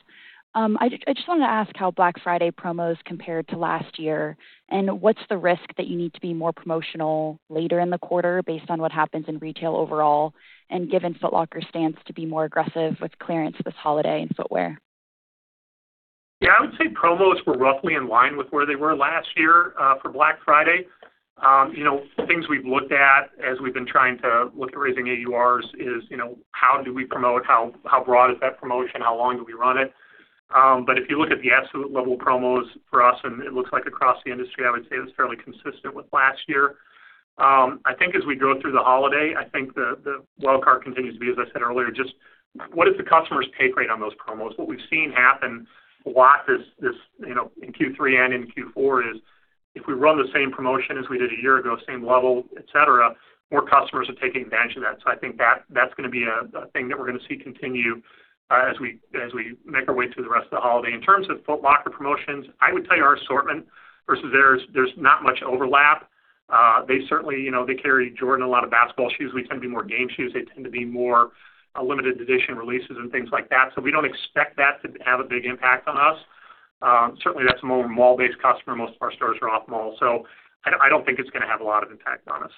I just wanted to ask how Black Friday promos compared to last year, and what's the risk that you need to be more promotional later in the quarter based on what happens in retail overall and given Foot Locker's stance to be more aggressive with clearance this holiday in footwear? Yeah. I would say promos were roughly in line with where they were last year for Black Friday. Things we've looked at as we've been trying to look at raising AURs is how do we promote? How broad is that promotion? How long do we run it? But if you look at the absolute level of promos for us, and it looks like across the industry, I would say it was fairly consistent with last year. I think as we go through the holiday, I think the wildcard continues to be, as I said earlier, just what is the customer's take rate on those promos? What we've seen happen a lot in Q3 and in Q4 is if we run the same promotion as we did a year ago, same level, etc., more customers are taking advantage of that. So I think that's going to be a thing that we're going to see continue as we make our way through the rest of the holiday. In terms of Foot Locker promotions, I would tell you our assortment versus theirs, there's not much overlap. They certainly carry Jordan and a lot of basketball shoes. We tend to be more game shoes. They tend to be more limited edition releases and things like that. So we don't expect that to have a big impact on us. Certainly, that's more of a mall-based customer. Most of our stores are off mall. So I don't think it's going to have a lot of impact on us.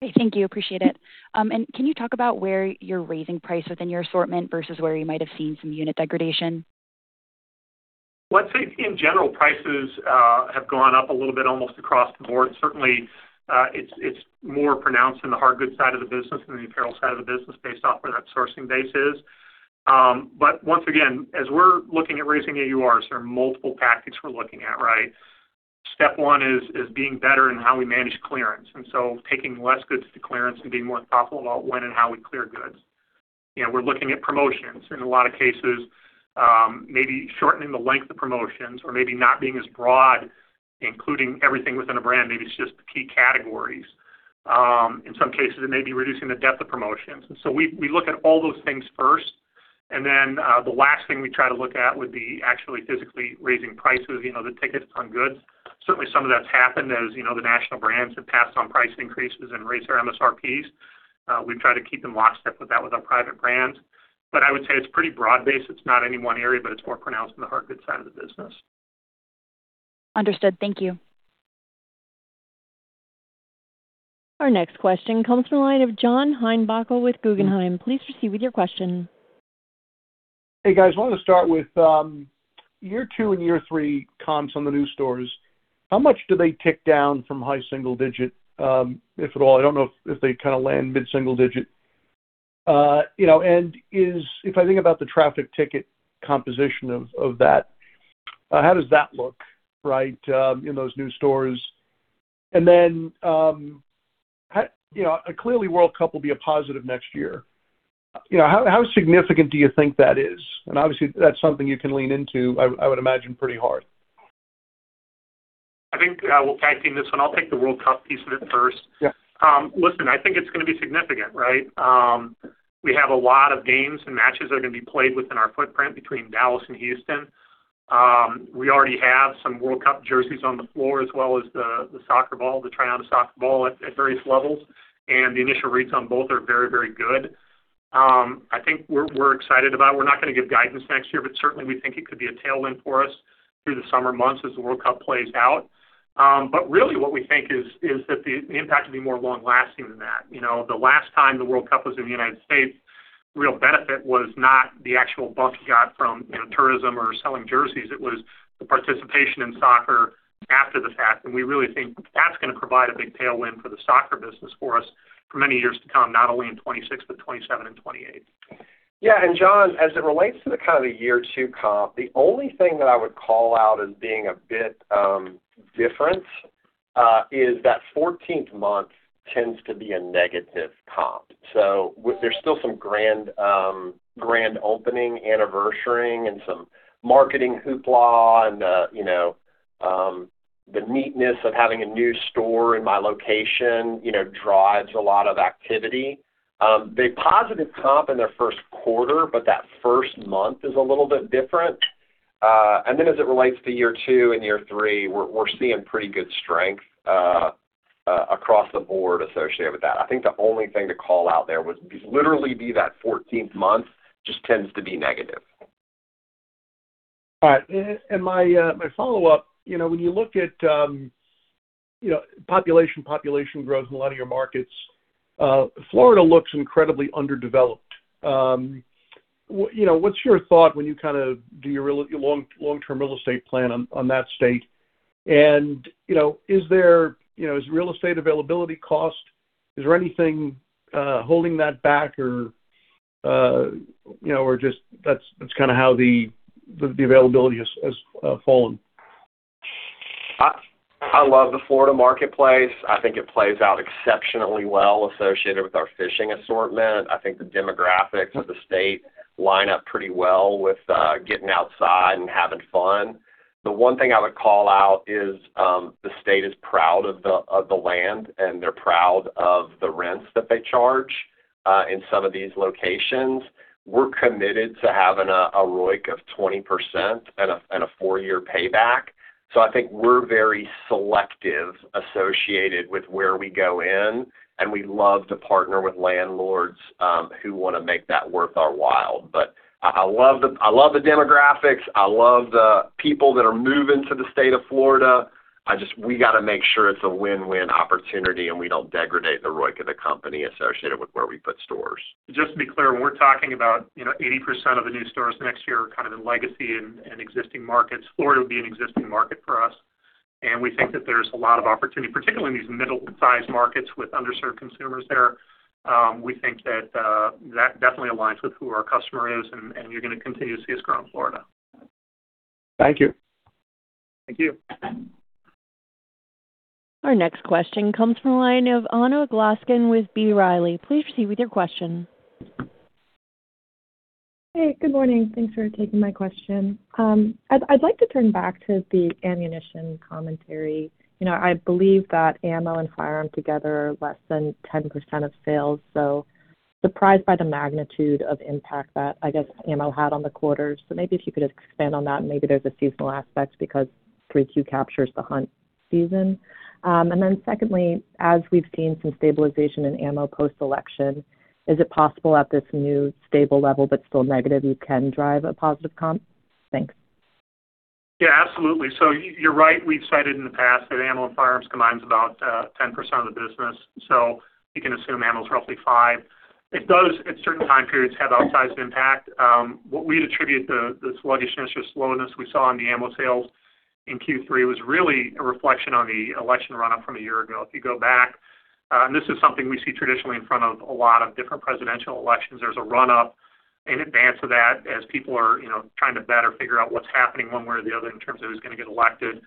Great. Thank you. Appreciate it. And can you talk about where you're raising price within your assortment versus where you might have seen some unit degradation? I'd say in general, prices have gone up a little bit almost across the board. Certainly, it's more pronounced in the hardgoods side of the business than the apparel side of the business based off where that sourcing base is. But once again, as we're looking at raising AURs, there are multiple tactics we're looking at, right? Step one is being better in how we manage clearance. And so taking less goods to clearance and being more thoughtful about when and how we clear goods. We're looking at promotions. In a lot of cases, maybe shortening the length of promotions or maybe not being as broad, including everything within a brand. Maybe it's just key categories. In some cases, it may be reducing the depth of promotions. And so we look at all those things first. And then the last thing we try to look at would be actually physically raising prices, the tickets on goods. Certainly, some of that's happened as the national brands have passed on price increases and raised their MSRPs. We've tried to keep in lockstep with that with our private brands. But I would say it's pretty broad-based. It's not any one area, but it's more pronounced in the hardgoods side of the business. Understood. Thank you. Our next question comes from the line of John Heinbockel with Guggenheim. Please proceed with your question. Hey, guys. I wanted to start with year two and year three comps on the new stores. How much do they tick down from high single digit, if at all? I don't know if they kind of land mid-single digit. And if I think about the traffic ticket composition of that, how does that look, right, in those new stores? And then clearly, World Cup will be a positive next year. How significant do you think that is? And obviously, that's something you can lean into, I would imagine, pretty hard. I think we'll tag team this one. I'll take the World Cup piece of it first. Listen, I think it's going to be significant, right? We have a lot of games and matches that are going to be played within our footprint between Dallas and Houston. We already have some World Cup jerseys on the floor as well as the soccer ball, the Tiro soccer ball at various levels. And the initial reads on both are very, very good. I think we're excited about it. We're not going to give guidance next year, but certainly, we think it could be a tailwind for us through the summer months as the World Cup plays out, but really, what we think is that the impact will be more long-lasting than that. The last time the World Cup was in the United States, the real benefit was not the actual bump you got from tourism or selling jerseys. It was the participation in soccer after the fact. And we really think that's going to provide a big tailwind for the soccer business for us for many years to come, not only in 2026, but 2027 and 2028. Yeah. And John, as it relates to the kind of the year two comp, the only thing that I would call out as being a bit different is that 14th month tends to be a negative comp. So there's still some grand opening anniversary and some marketing hoopla and the neatness of having a new store in my location drives a lot of activity. They positive comp in their first quarter, but that first month is a little bit different. And then as it relates to year two and year three, we're seeing pretty good strength across the board associated with that. I think the only thing to call out there would literally be that 14th month just tends to be negative. All right. And my follow-up, when you look at population growth in a lot of your markets, Florida looks incredibly underdeveloped. What's your thought when you kind of do your long-term real estate plan on that state? And is there real estate availability cost? Is there anything holding that back or just that's kind of how the availability has fallen? I love the Florida marketplace. I think it plays out exceptionally well associated with our fishing assortment. I think the demographics of the state line up pretty well with getting outside and having fun. The one thing I would call out is the state is proud of the land and they're proud of the rents that they charge in some of these locations. We're committed to having a ROIC of 20% and a four-year payback, so I think we're very selective associated with where we go in, and we love to partner with landlords who want to make that worth our while, but I love the demographics. I love the people that are moving to the state of Florida. We got to make sure it's a win-win opportunity and we don't degrade the ROIC of the company associated with where we put stores. Just to be clear, when we're talking about 80% of the new stores next year kind of in legacy and existing markets, Florida would be an existing market for us, and we think that there's a lot of opportunity, particularly in these middle-sized markets with underserved consumers there. We think that that definitely aligns with who our customer is and you're going to continue to see us grow in Florida. Thank you. Thank you. Our next question comes from the line of Anna Glaessgen with B. Riley. Please proceed with your question. Hey, good morning. Thanks for taking my question. I'd like to turn back to the ammunition commentary. I believe that ammo and firearm together are less than 10% of sales. So surprised by the magnitude of impact that I guess ammo had on the quarter. So maybe if you could expand on that, maybe there's a seasonal aspect because 3Q captures the hunt season. And then secondly, as we've seen some stabilization in ammo post-election, is it possible at this new stable level but still negative you can drive a positive comp? Thanks. Yeah, absolutely. So you're right. We've cited in the past that ammo and firearms combines about 10% of the business. So you can assume ammo is roughly 5%. It does, at certain time periods, have outsized impact. What we'd attribute the sluggishness or slowness we saw in the ammo sales in Q3 was really a reflection on the election run-up from a year ago. If you go back, and this is something we see traditionally in front of a lot of different presidential elections, there's a run-up in advance of that as people are trying to better figure out what's happening one way or the other in terms of who's going to get elected.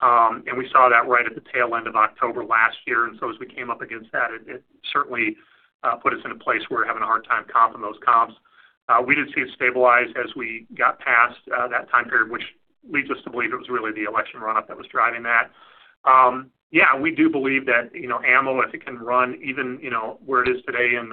And we saw that right at the tail end of October last year. And so as we came up against that, it certainly put us in a place where we're having a hard time comping those comps. We did see it stabilize as we got past that time period, which leads us to believe it was really the election run-up that was driving that. Yeah, we do believe that ammo, if it can run even where it is today in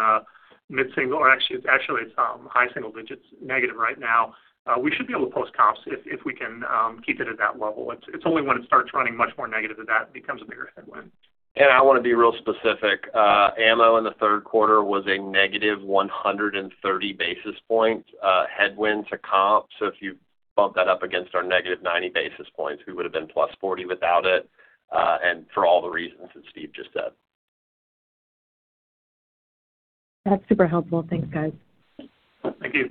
mid-single or actually, it's high single digits negative right now, we should be able to post comps if we can keep it at that level. It's only when it starts running much more negative that that becomes a bigger headwind. I want to be real specific. Ammo in the third quarter was a negative 130 basis points headwind to comp. So if you bump that up against our negative 90 basis points, we would have been plus 40 without it and for all the reasons that Steve just said. That's super helpful. Thanks, guys. Thank you.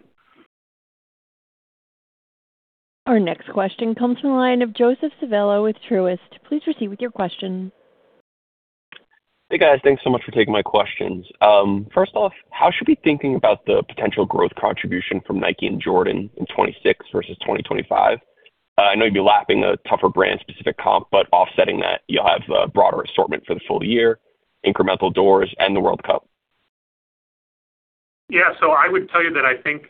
Our next question comes from the line of Joseph Civello with Truist. Please proceed with your question. Hey, guys. Thanks so much for taking my questions. First off, how should we be thinking about the potential growth contribution from Nike and Jordan in 2026 versus 2025? I know you'd be lapping a tougher brand-specific comp, but offsetting that, you'll have a broader assortment for the full year, incremental doors, and the World Cup. Yeah, so I would tell you that I think,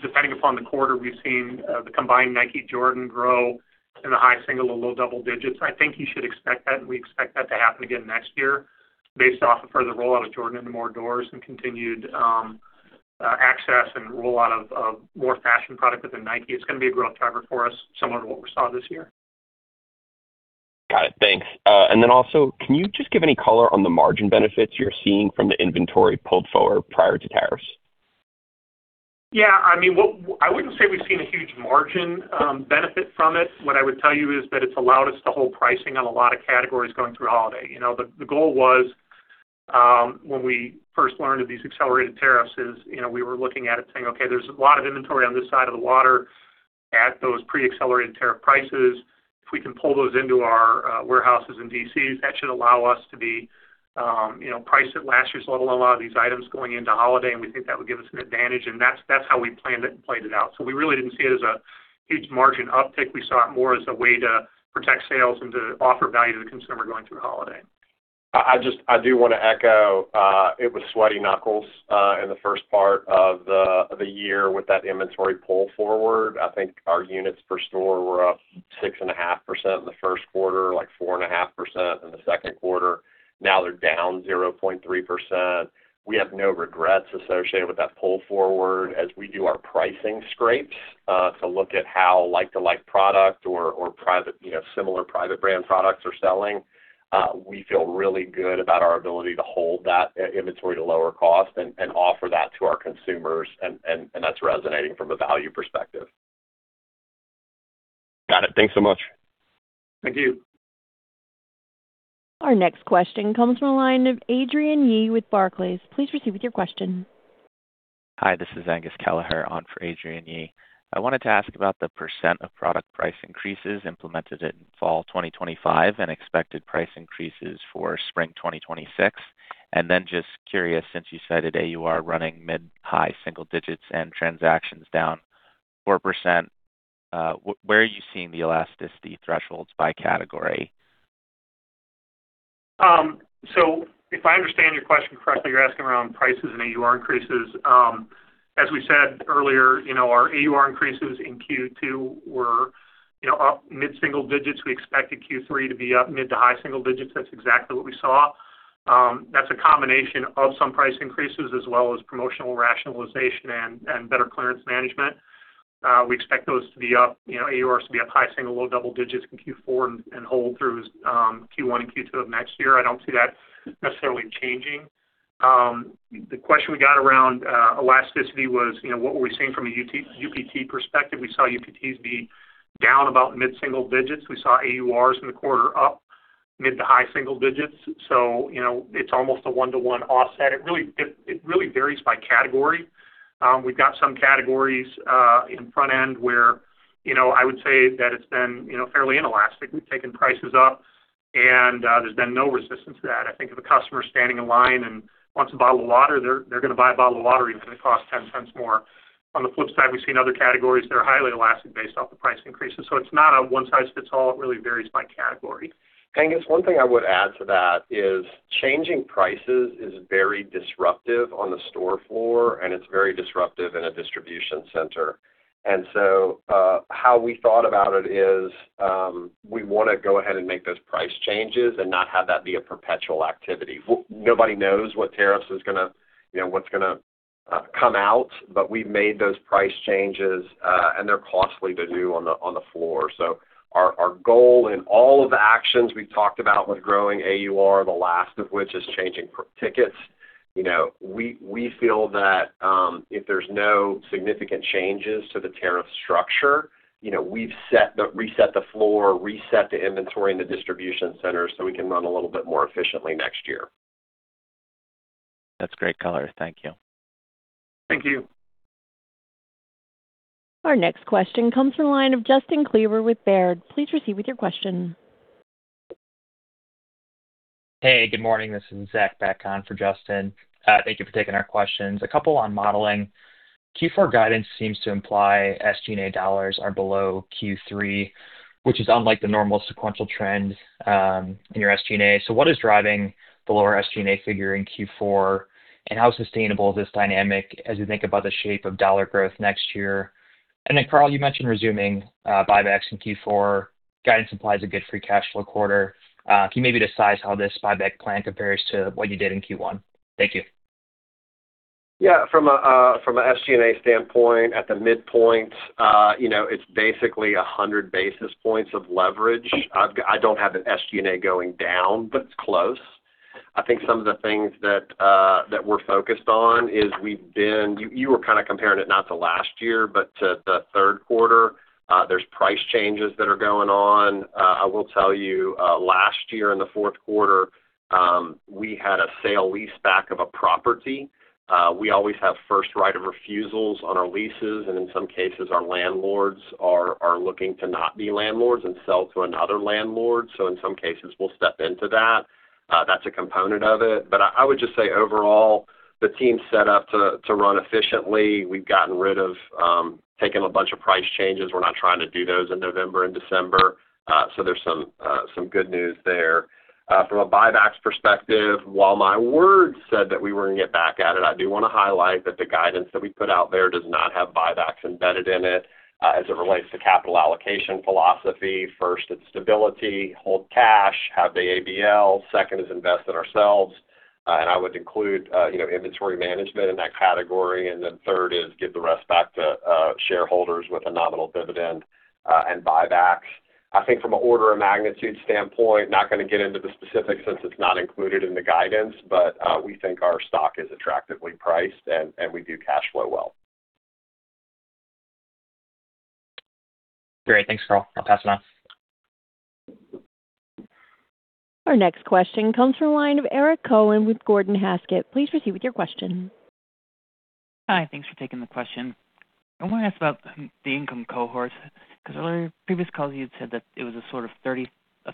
depending upon the quarter, we've seen the combined Nike-Jordan grow in the high single and low double digits. I think you should expect that, and we expect that to happen again next year based off of further rollout of Jordan into more doors and continued access and rollout of more fashion product within Nike. It's going to be a growth driver for us, similar to what we saw this year. Got it. Thanks. And then also, can you just give any color on the margin benefits you're seeing from the inventory pulled forward prior to tariffs? Yeah. I mean, I wouldn't say we've seen a huge margin benefit from it. What I would tell you is that it's allowed us to hold pricing on a lot of categories going through the holiday. The goal was when we first learned of these accelerated tariffs is we were looking at it saying, "Okay, there's a lot of inventory on this side of the water at those pre-accelerated tariff prices. If we can pull those into our warehouses in DC, that should allow us to be priced at last year's level on a lot of these items going into holiday." And we think that would give us an advantage. And that's how we planned it and played it out. So we really didn't see it as a huge margin uptick. We saw it more as a way to protect sales and to offer value to the consumer going through the holiday. I do want to echo. It was sweaty knuckles in the first part of the year with that inventory pull forward. I think our units per store were up 6.5% in the first quarter, like 4.5% in the second quarter. Now they're down 0.3%. We have no regrets associated with that pull forward. As we do our pricing scrapes to look at how like-to-like product or similar private brand products are selling, we feel really good about our ability to hold that inventory to lower cost and offer that to our consumers, and that's resonating from a value perspective. Got it. Thanks so much. Thank you. Our next question comes from the line of Adrienne Yih with Barclays. Please proceed with your question. Hi, this is Angus Kelleher on for Adrienne Yih. I wanted to ask about the % of product price increases implemented in fall 2025 and expected price increases for spring 2026. Then just curious, since you cited AUR running mid-high single digits and transactions down 4%, where are you seeing the elasticity thresholds by category? If I understand your question correctly, you're asking around prices and AUR increases. As we said earlier, our AUR increases in Q2 were up mid-single digits. We expected Q3 to be up mid to high single digits. That's exactly what we saw. That's a combination of some price increases as well as promotional rationalization and better clearance management. We expect those to be up, AURs to be up high single, low double digits in Q4 and hold through Q1 and Q2 of next year. I don't see that necessarily changing. The question we got around elasticity was, what were we seeing from a UPT perspective? We saw UPTs be down about mid-single digits. We saw AURs in the quarter up mid to high single digits. So it's almost a one-to-one offset. It really varies by category. We've got some categories in front end where I would say that it's been fairly inelastic. We've taken prices up, and there's been no resistance to that. I think if a customer is standing in line and wants a bottle of water, they're going to buy a bottle of water even if it costs $0.10 more. On the flip side, we've seen other categories that are highly elastic based off the price increases. So it's not a one-size-fits-all. It really varies by category. Angus, one thing I would add to that is changing prices is very disruptive on the store floor, and it's very disruptive in a distribution center. And so how we thought about it is we want to go ahead and make those price changes and not have that be a perpetual activity. Nobody knows what tariffs is going to what's going to come out, but we've made those price changes, and they're costly to do on the floor. So our goal in all of the actions we've talked about with growing AUR, the last of which is changing tickets, we feel that if there's no significant changes to the tariff structure, we've reset the floor, reset the inventory in the distribution center so we can run a little bit more efficiently next year. That's great color. Thank you. Thank you. Our next question comes from the line of Justin Kleber with Baird. Please proceed with your question. Hey, good morning. This is Zach Bacon for Justin. Thank you for taking our questions. A couple on modeling. Q4 guidance seems to imply SG&A dollars are below Q3, which is unlike the normal sequential trend in your SG&A. So what is driving the lower SG&A figure in Q4, and how sustainable is this dynamic as you think about the shape of dollar growth next year? And then, Carl, you mentioned resuming buybacks in Q4. Guidance implies a good free cash flow quarter. Can you maybe decide how this buyback plan compares to what you did in Q1? Thank you. Yeah. From an SG&A standpoint, at the midpoint, it's basically 100 basis points of leverage. I don't have an SG&A going down, but it's close. I think some of the things that we're focused on is we've been you were kind of comparing it not to last year, but to the third quarter. There's price changes that are going on. I will tell you, last year in the fourth quarter, we had a sale-leaseback of a property. We always have first right of refusals on our leases, and in some cases, our landlords are looking to not be landlords and sell to another landlord. So in some cases, we'll step into that. That's a component of it. But I would just say overall, the team's set up to run efficiently. We've gotten rid of taking a bunch of price changes. We're not trying to do those in November and December, so there's some good news there. From a buyback perspective, while my words said that we weren't going to get back at it, I do want to highlight that the guidance that we put out there does not have buybacks embedded in it as it relates to capital allocation philosophy. First, it's stability, hold cash, have the ABL. Second is invest in ourselves, and I would include inventory management in that category, and then third is give the rest back to shareholders with a nominal dividend and buybacks. I think from an order of magnitude standpoint, not going to get into the specifics since it's not included in the guidance, but we think our stock is attractively priced and we do cash flow well. Great. Thanks, Carl. I'll pass it on. Our next question comes from the line of Eric Cohen with Gordon Haskett. Please proceed with your question. Hi. Thanks for taking the question. I want to ask about the income cohort. Because on our previous calls, you had said that it was a sort of third,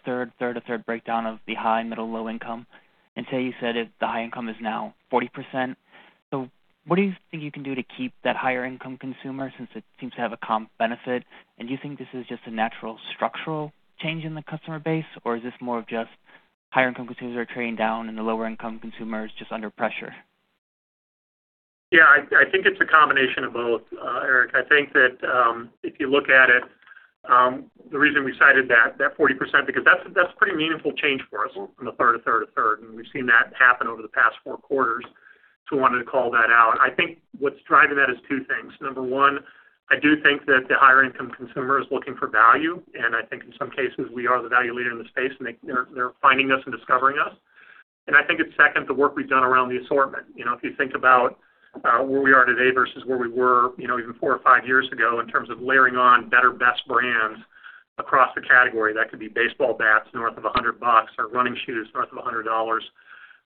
third, third, a third breakdown of the high, middle, low income. And today you said the high income is now 40%. So what do you think you can do to keep that higher income consumer since it seems to have a comp benefit? And do you think this is just a natural structural change in the customer base, or is this more of just higher income consumers are trading down and the lower income consumers just under pressure? Yeah. I think it's a combination of both, Eric. I think that if you look at it, the reason we cited that 40%, because that's a pretty meaningful change for us from the third, and we've seen that happen over the past four quarters, so I wanted to call that out. I think what's driving that is two things. Number one, I do think that the higher income consumer is looking for value. And I think in some cases, we are the value leader in the space, and they're finding us and discovering us, and I think second, the work we've done around the assortment. If you think about where we are today versus where we were even four or five years ago in terms of layering on better, best brands across the category. That could be baseball bats north of $100 or running shoes north of $100.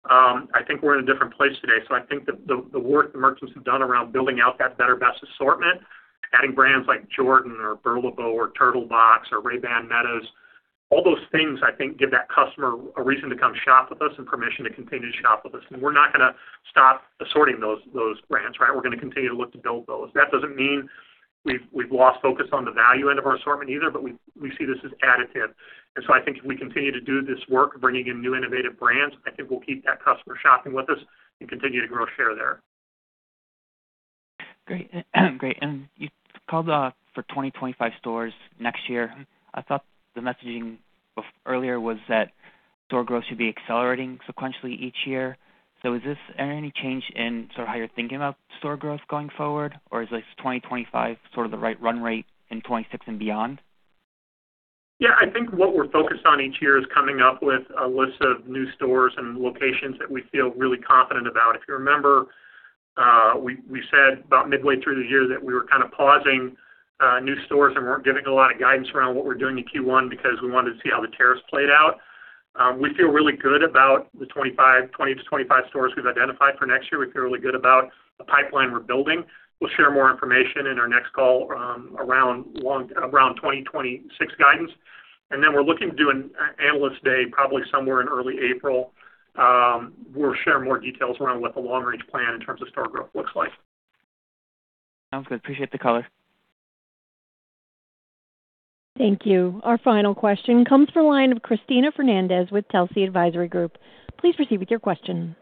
I think we're in a different place today, so I think the work the merchants have done around building out that better, best assortment, adding brands like Jordan or Burlebo or Turtlebox or Ray-Ban Meta, all those things, I think, give that customer a reason to come shop with us and permission to continue to shop with us, and we're not going to stop assorting those brands, right? We're going to continue to look to build those. That doesn't mean we've lost focus on the value end of our assortment either, but we see this as additive, and so I think if we continue to do this work of bringing in new innovative brands, I think we'll keep that customer shopping with us and continue to grow share there. Great. Great. And you called for 2025 stores next year. I thought the messaging earlier was that store growth should be accelerating sequentially each year. So is this any change in sort of how you're thinking about store growth going forward, or is 2025 sort of the right run rate in 2026 and beyond? Yeah. I think what we're focused on each year is coming up with a list of new stores and locations that we feel really confident about. If you remember, we said about midway through the year that we were kind of pausing new stores and weren't giving a lot of guidance around what we're doing in Q1 because we wanted to see how the tariffs played out. We feel really good about the 20-25 stores we've identified for next year. We feel really good about the pipeline we're building. We'll share more information in our next call around 2026 guidance, and then we're looking to do an analyst day probably somewhere in early April. We'll share more details around what the long-range plan in terms of store growth looks like. Sounds good. Appreciate the color. Thank you. Our final question comes from the line of Christina Fernandez with Telsey Advisory Group. Please proceed with your question.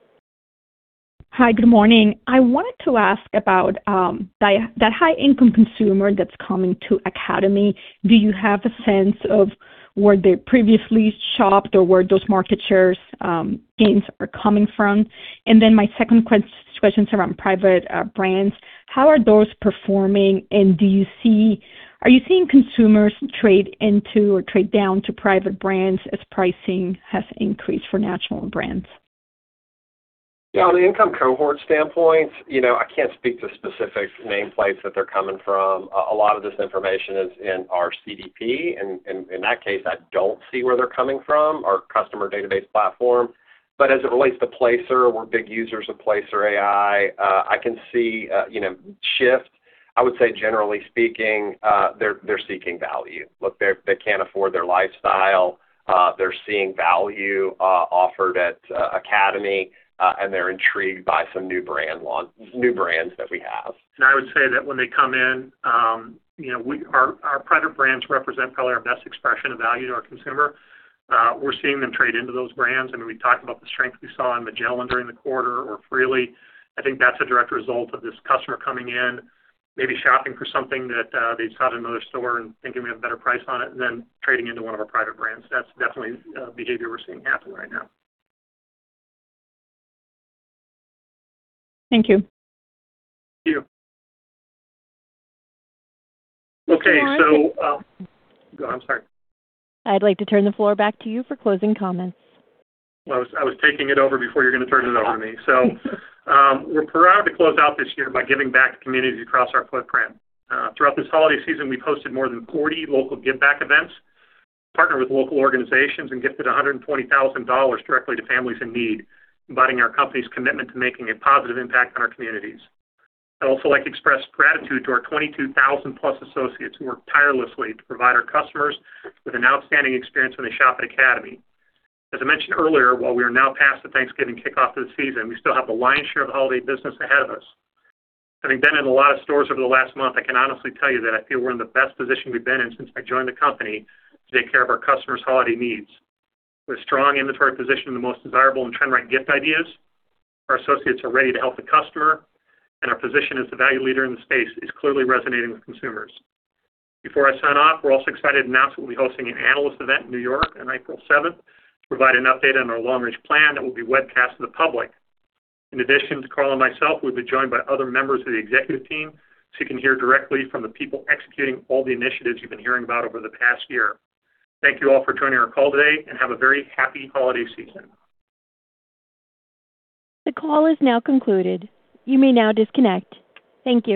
Hi, good morning. I wanted to ask about that high-income consumer that's coming to Academy. Do you have a sense of where they previously shopped or where those market shares gains are coming from? And then my second question is around private brands. How are those performing? And are you seeing consumers trade into or trade down to private brands as pricing has increased for national brands? Yeah. On an income cohort standpoint, I can't speak to specific nameplates that they're coming from. A lot of this information is in our CDP. In that case, I don't see where they're coming from, our customer database platform. But as it relates to Placer, we're big users of Placer.ai. I can see shift. I would say, generally speaking, they're seeking value. They can't afford their lifestyle. They're seeing value offered at Academy, and they're intrigued by some new brands that we have. I would say that when they come in, our private brands represent probably our best expression of value to our consumer. We're seeing them trade into those brands. I mean, we've talked about the strength we saw in Magellan during the quarter or Freely. I think that's a direct result of this customer coming in, maybe shopping for something that they saw at another store and thinking we have a better price on it, and then trading into one of our private brands. That's definitely a behavior we're seeing happen right now. Thank you. Thank you. Okay. So go ahead. I'm sorry. I'd like to turn the floor back to you for closing comments. I was taking it over before you're going to turn it over to me. So we're proud to close out this year by giving back to communities across our footprint. Throughout this holiday season, we posted more than 40 local give-back events, partnered with local organizations, and gifted $120,000 directly to families in need, embodying our company's commitment to making a positive impact on our communities. I'd also like to express gratitude to our 22,000-plus associates who work tirelessly to provide our customers with an outstanding experience when they shop at Academy. As I mentioned earlier, while we are now past the Thanksgiving kickoff of the season, we still have the lion's share of the holiday business ahead of us. Having been in a lot of stores over the last month, I can honestly tell you that I feel we're in the best position we've been in since I joined the company to take care of our customers' holiday needs. With a strong inventory position and the most desirable and trend-right gift ideas, our associates are ready to help the customer, and our position as the value leader in the space is clearly resonating with consumers. Before I sign off, we're also excited to announce that we'll be hosting an analyst event in New York on April 7th to provide an update on our long-range plan that will be webcast to the public. In addition, to Carl and myself, we've been joined by other members of the executive team, so you can hear directly from the people executing all the initiatives you've been hearing about over the past year. Thank you all for joining our call today, and have a very happy holiday season. The call is now concluded. You may now disconnect. Thank you.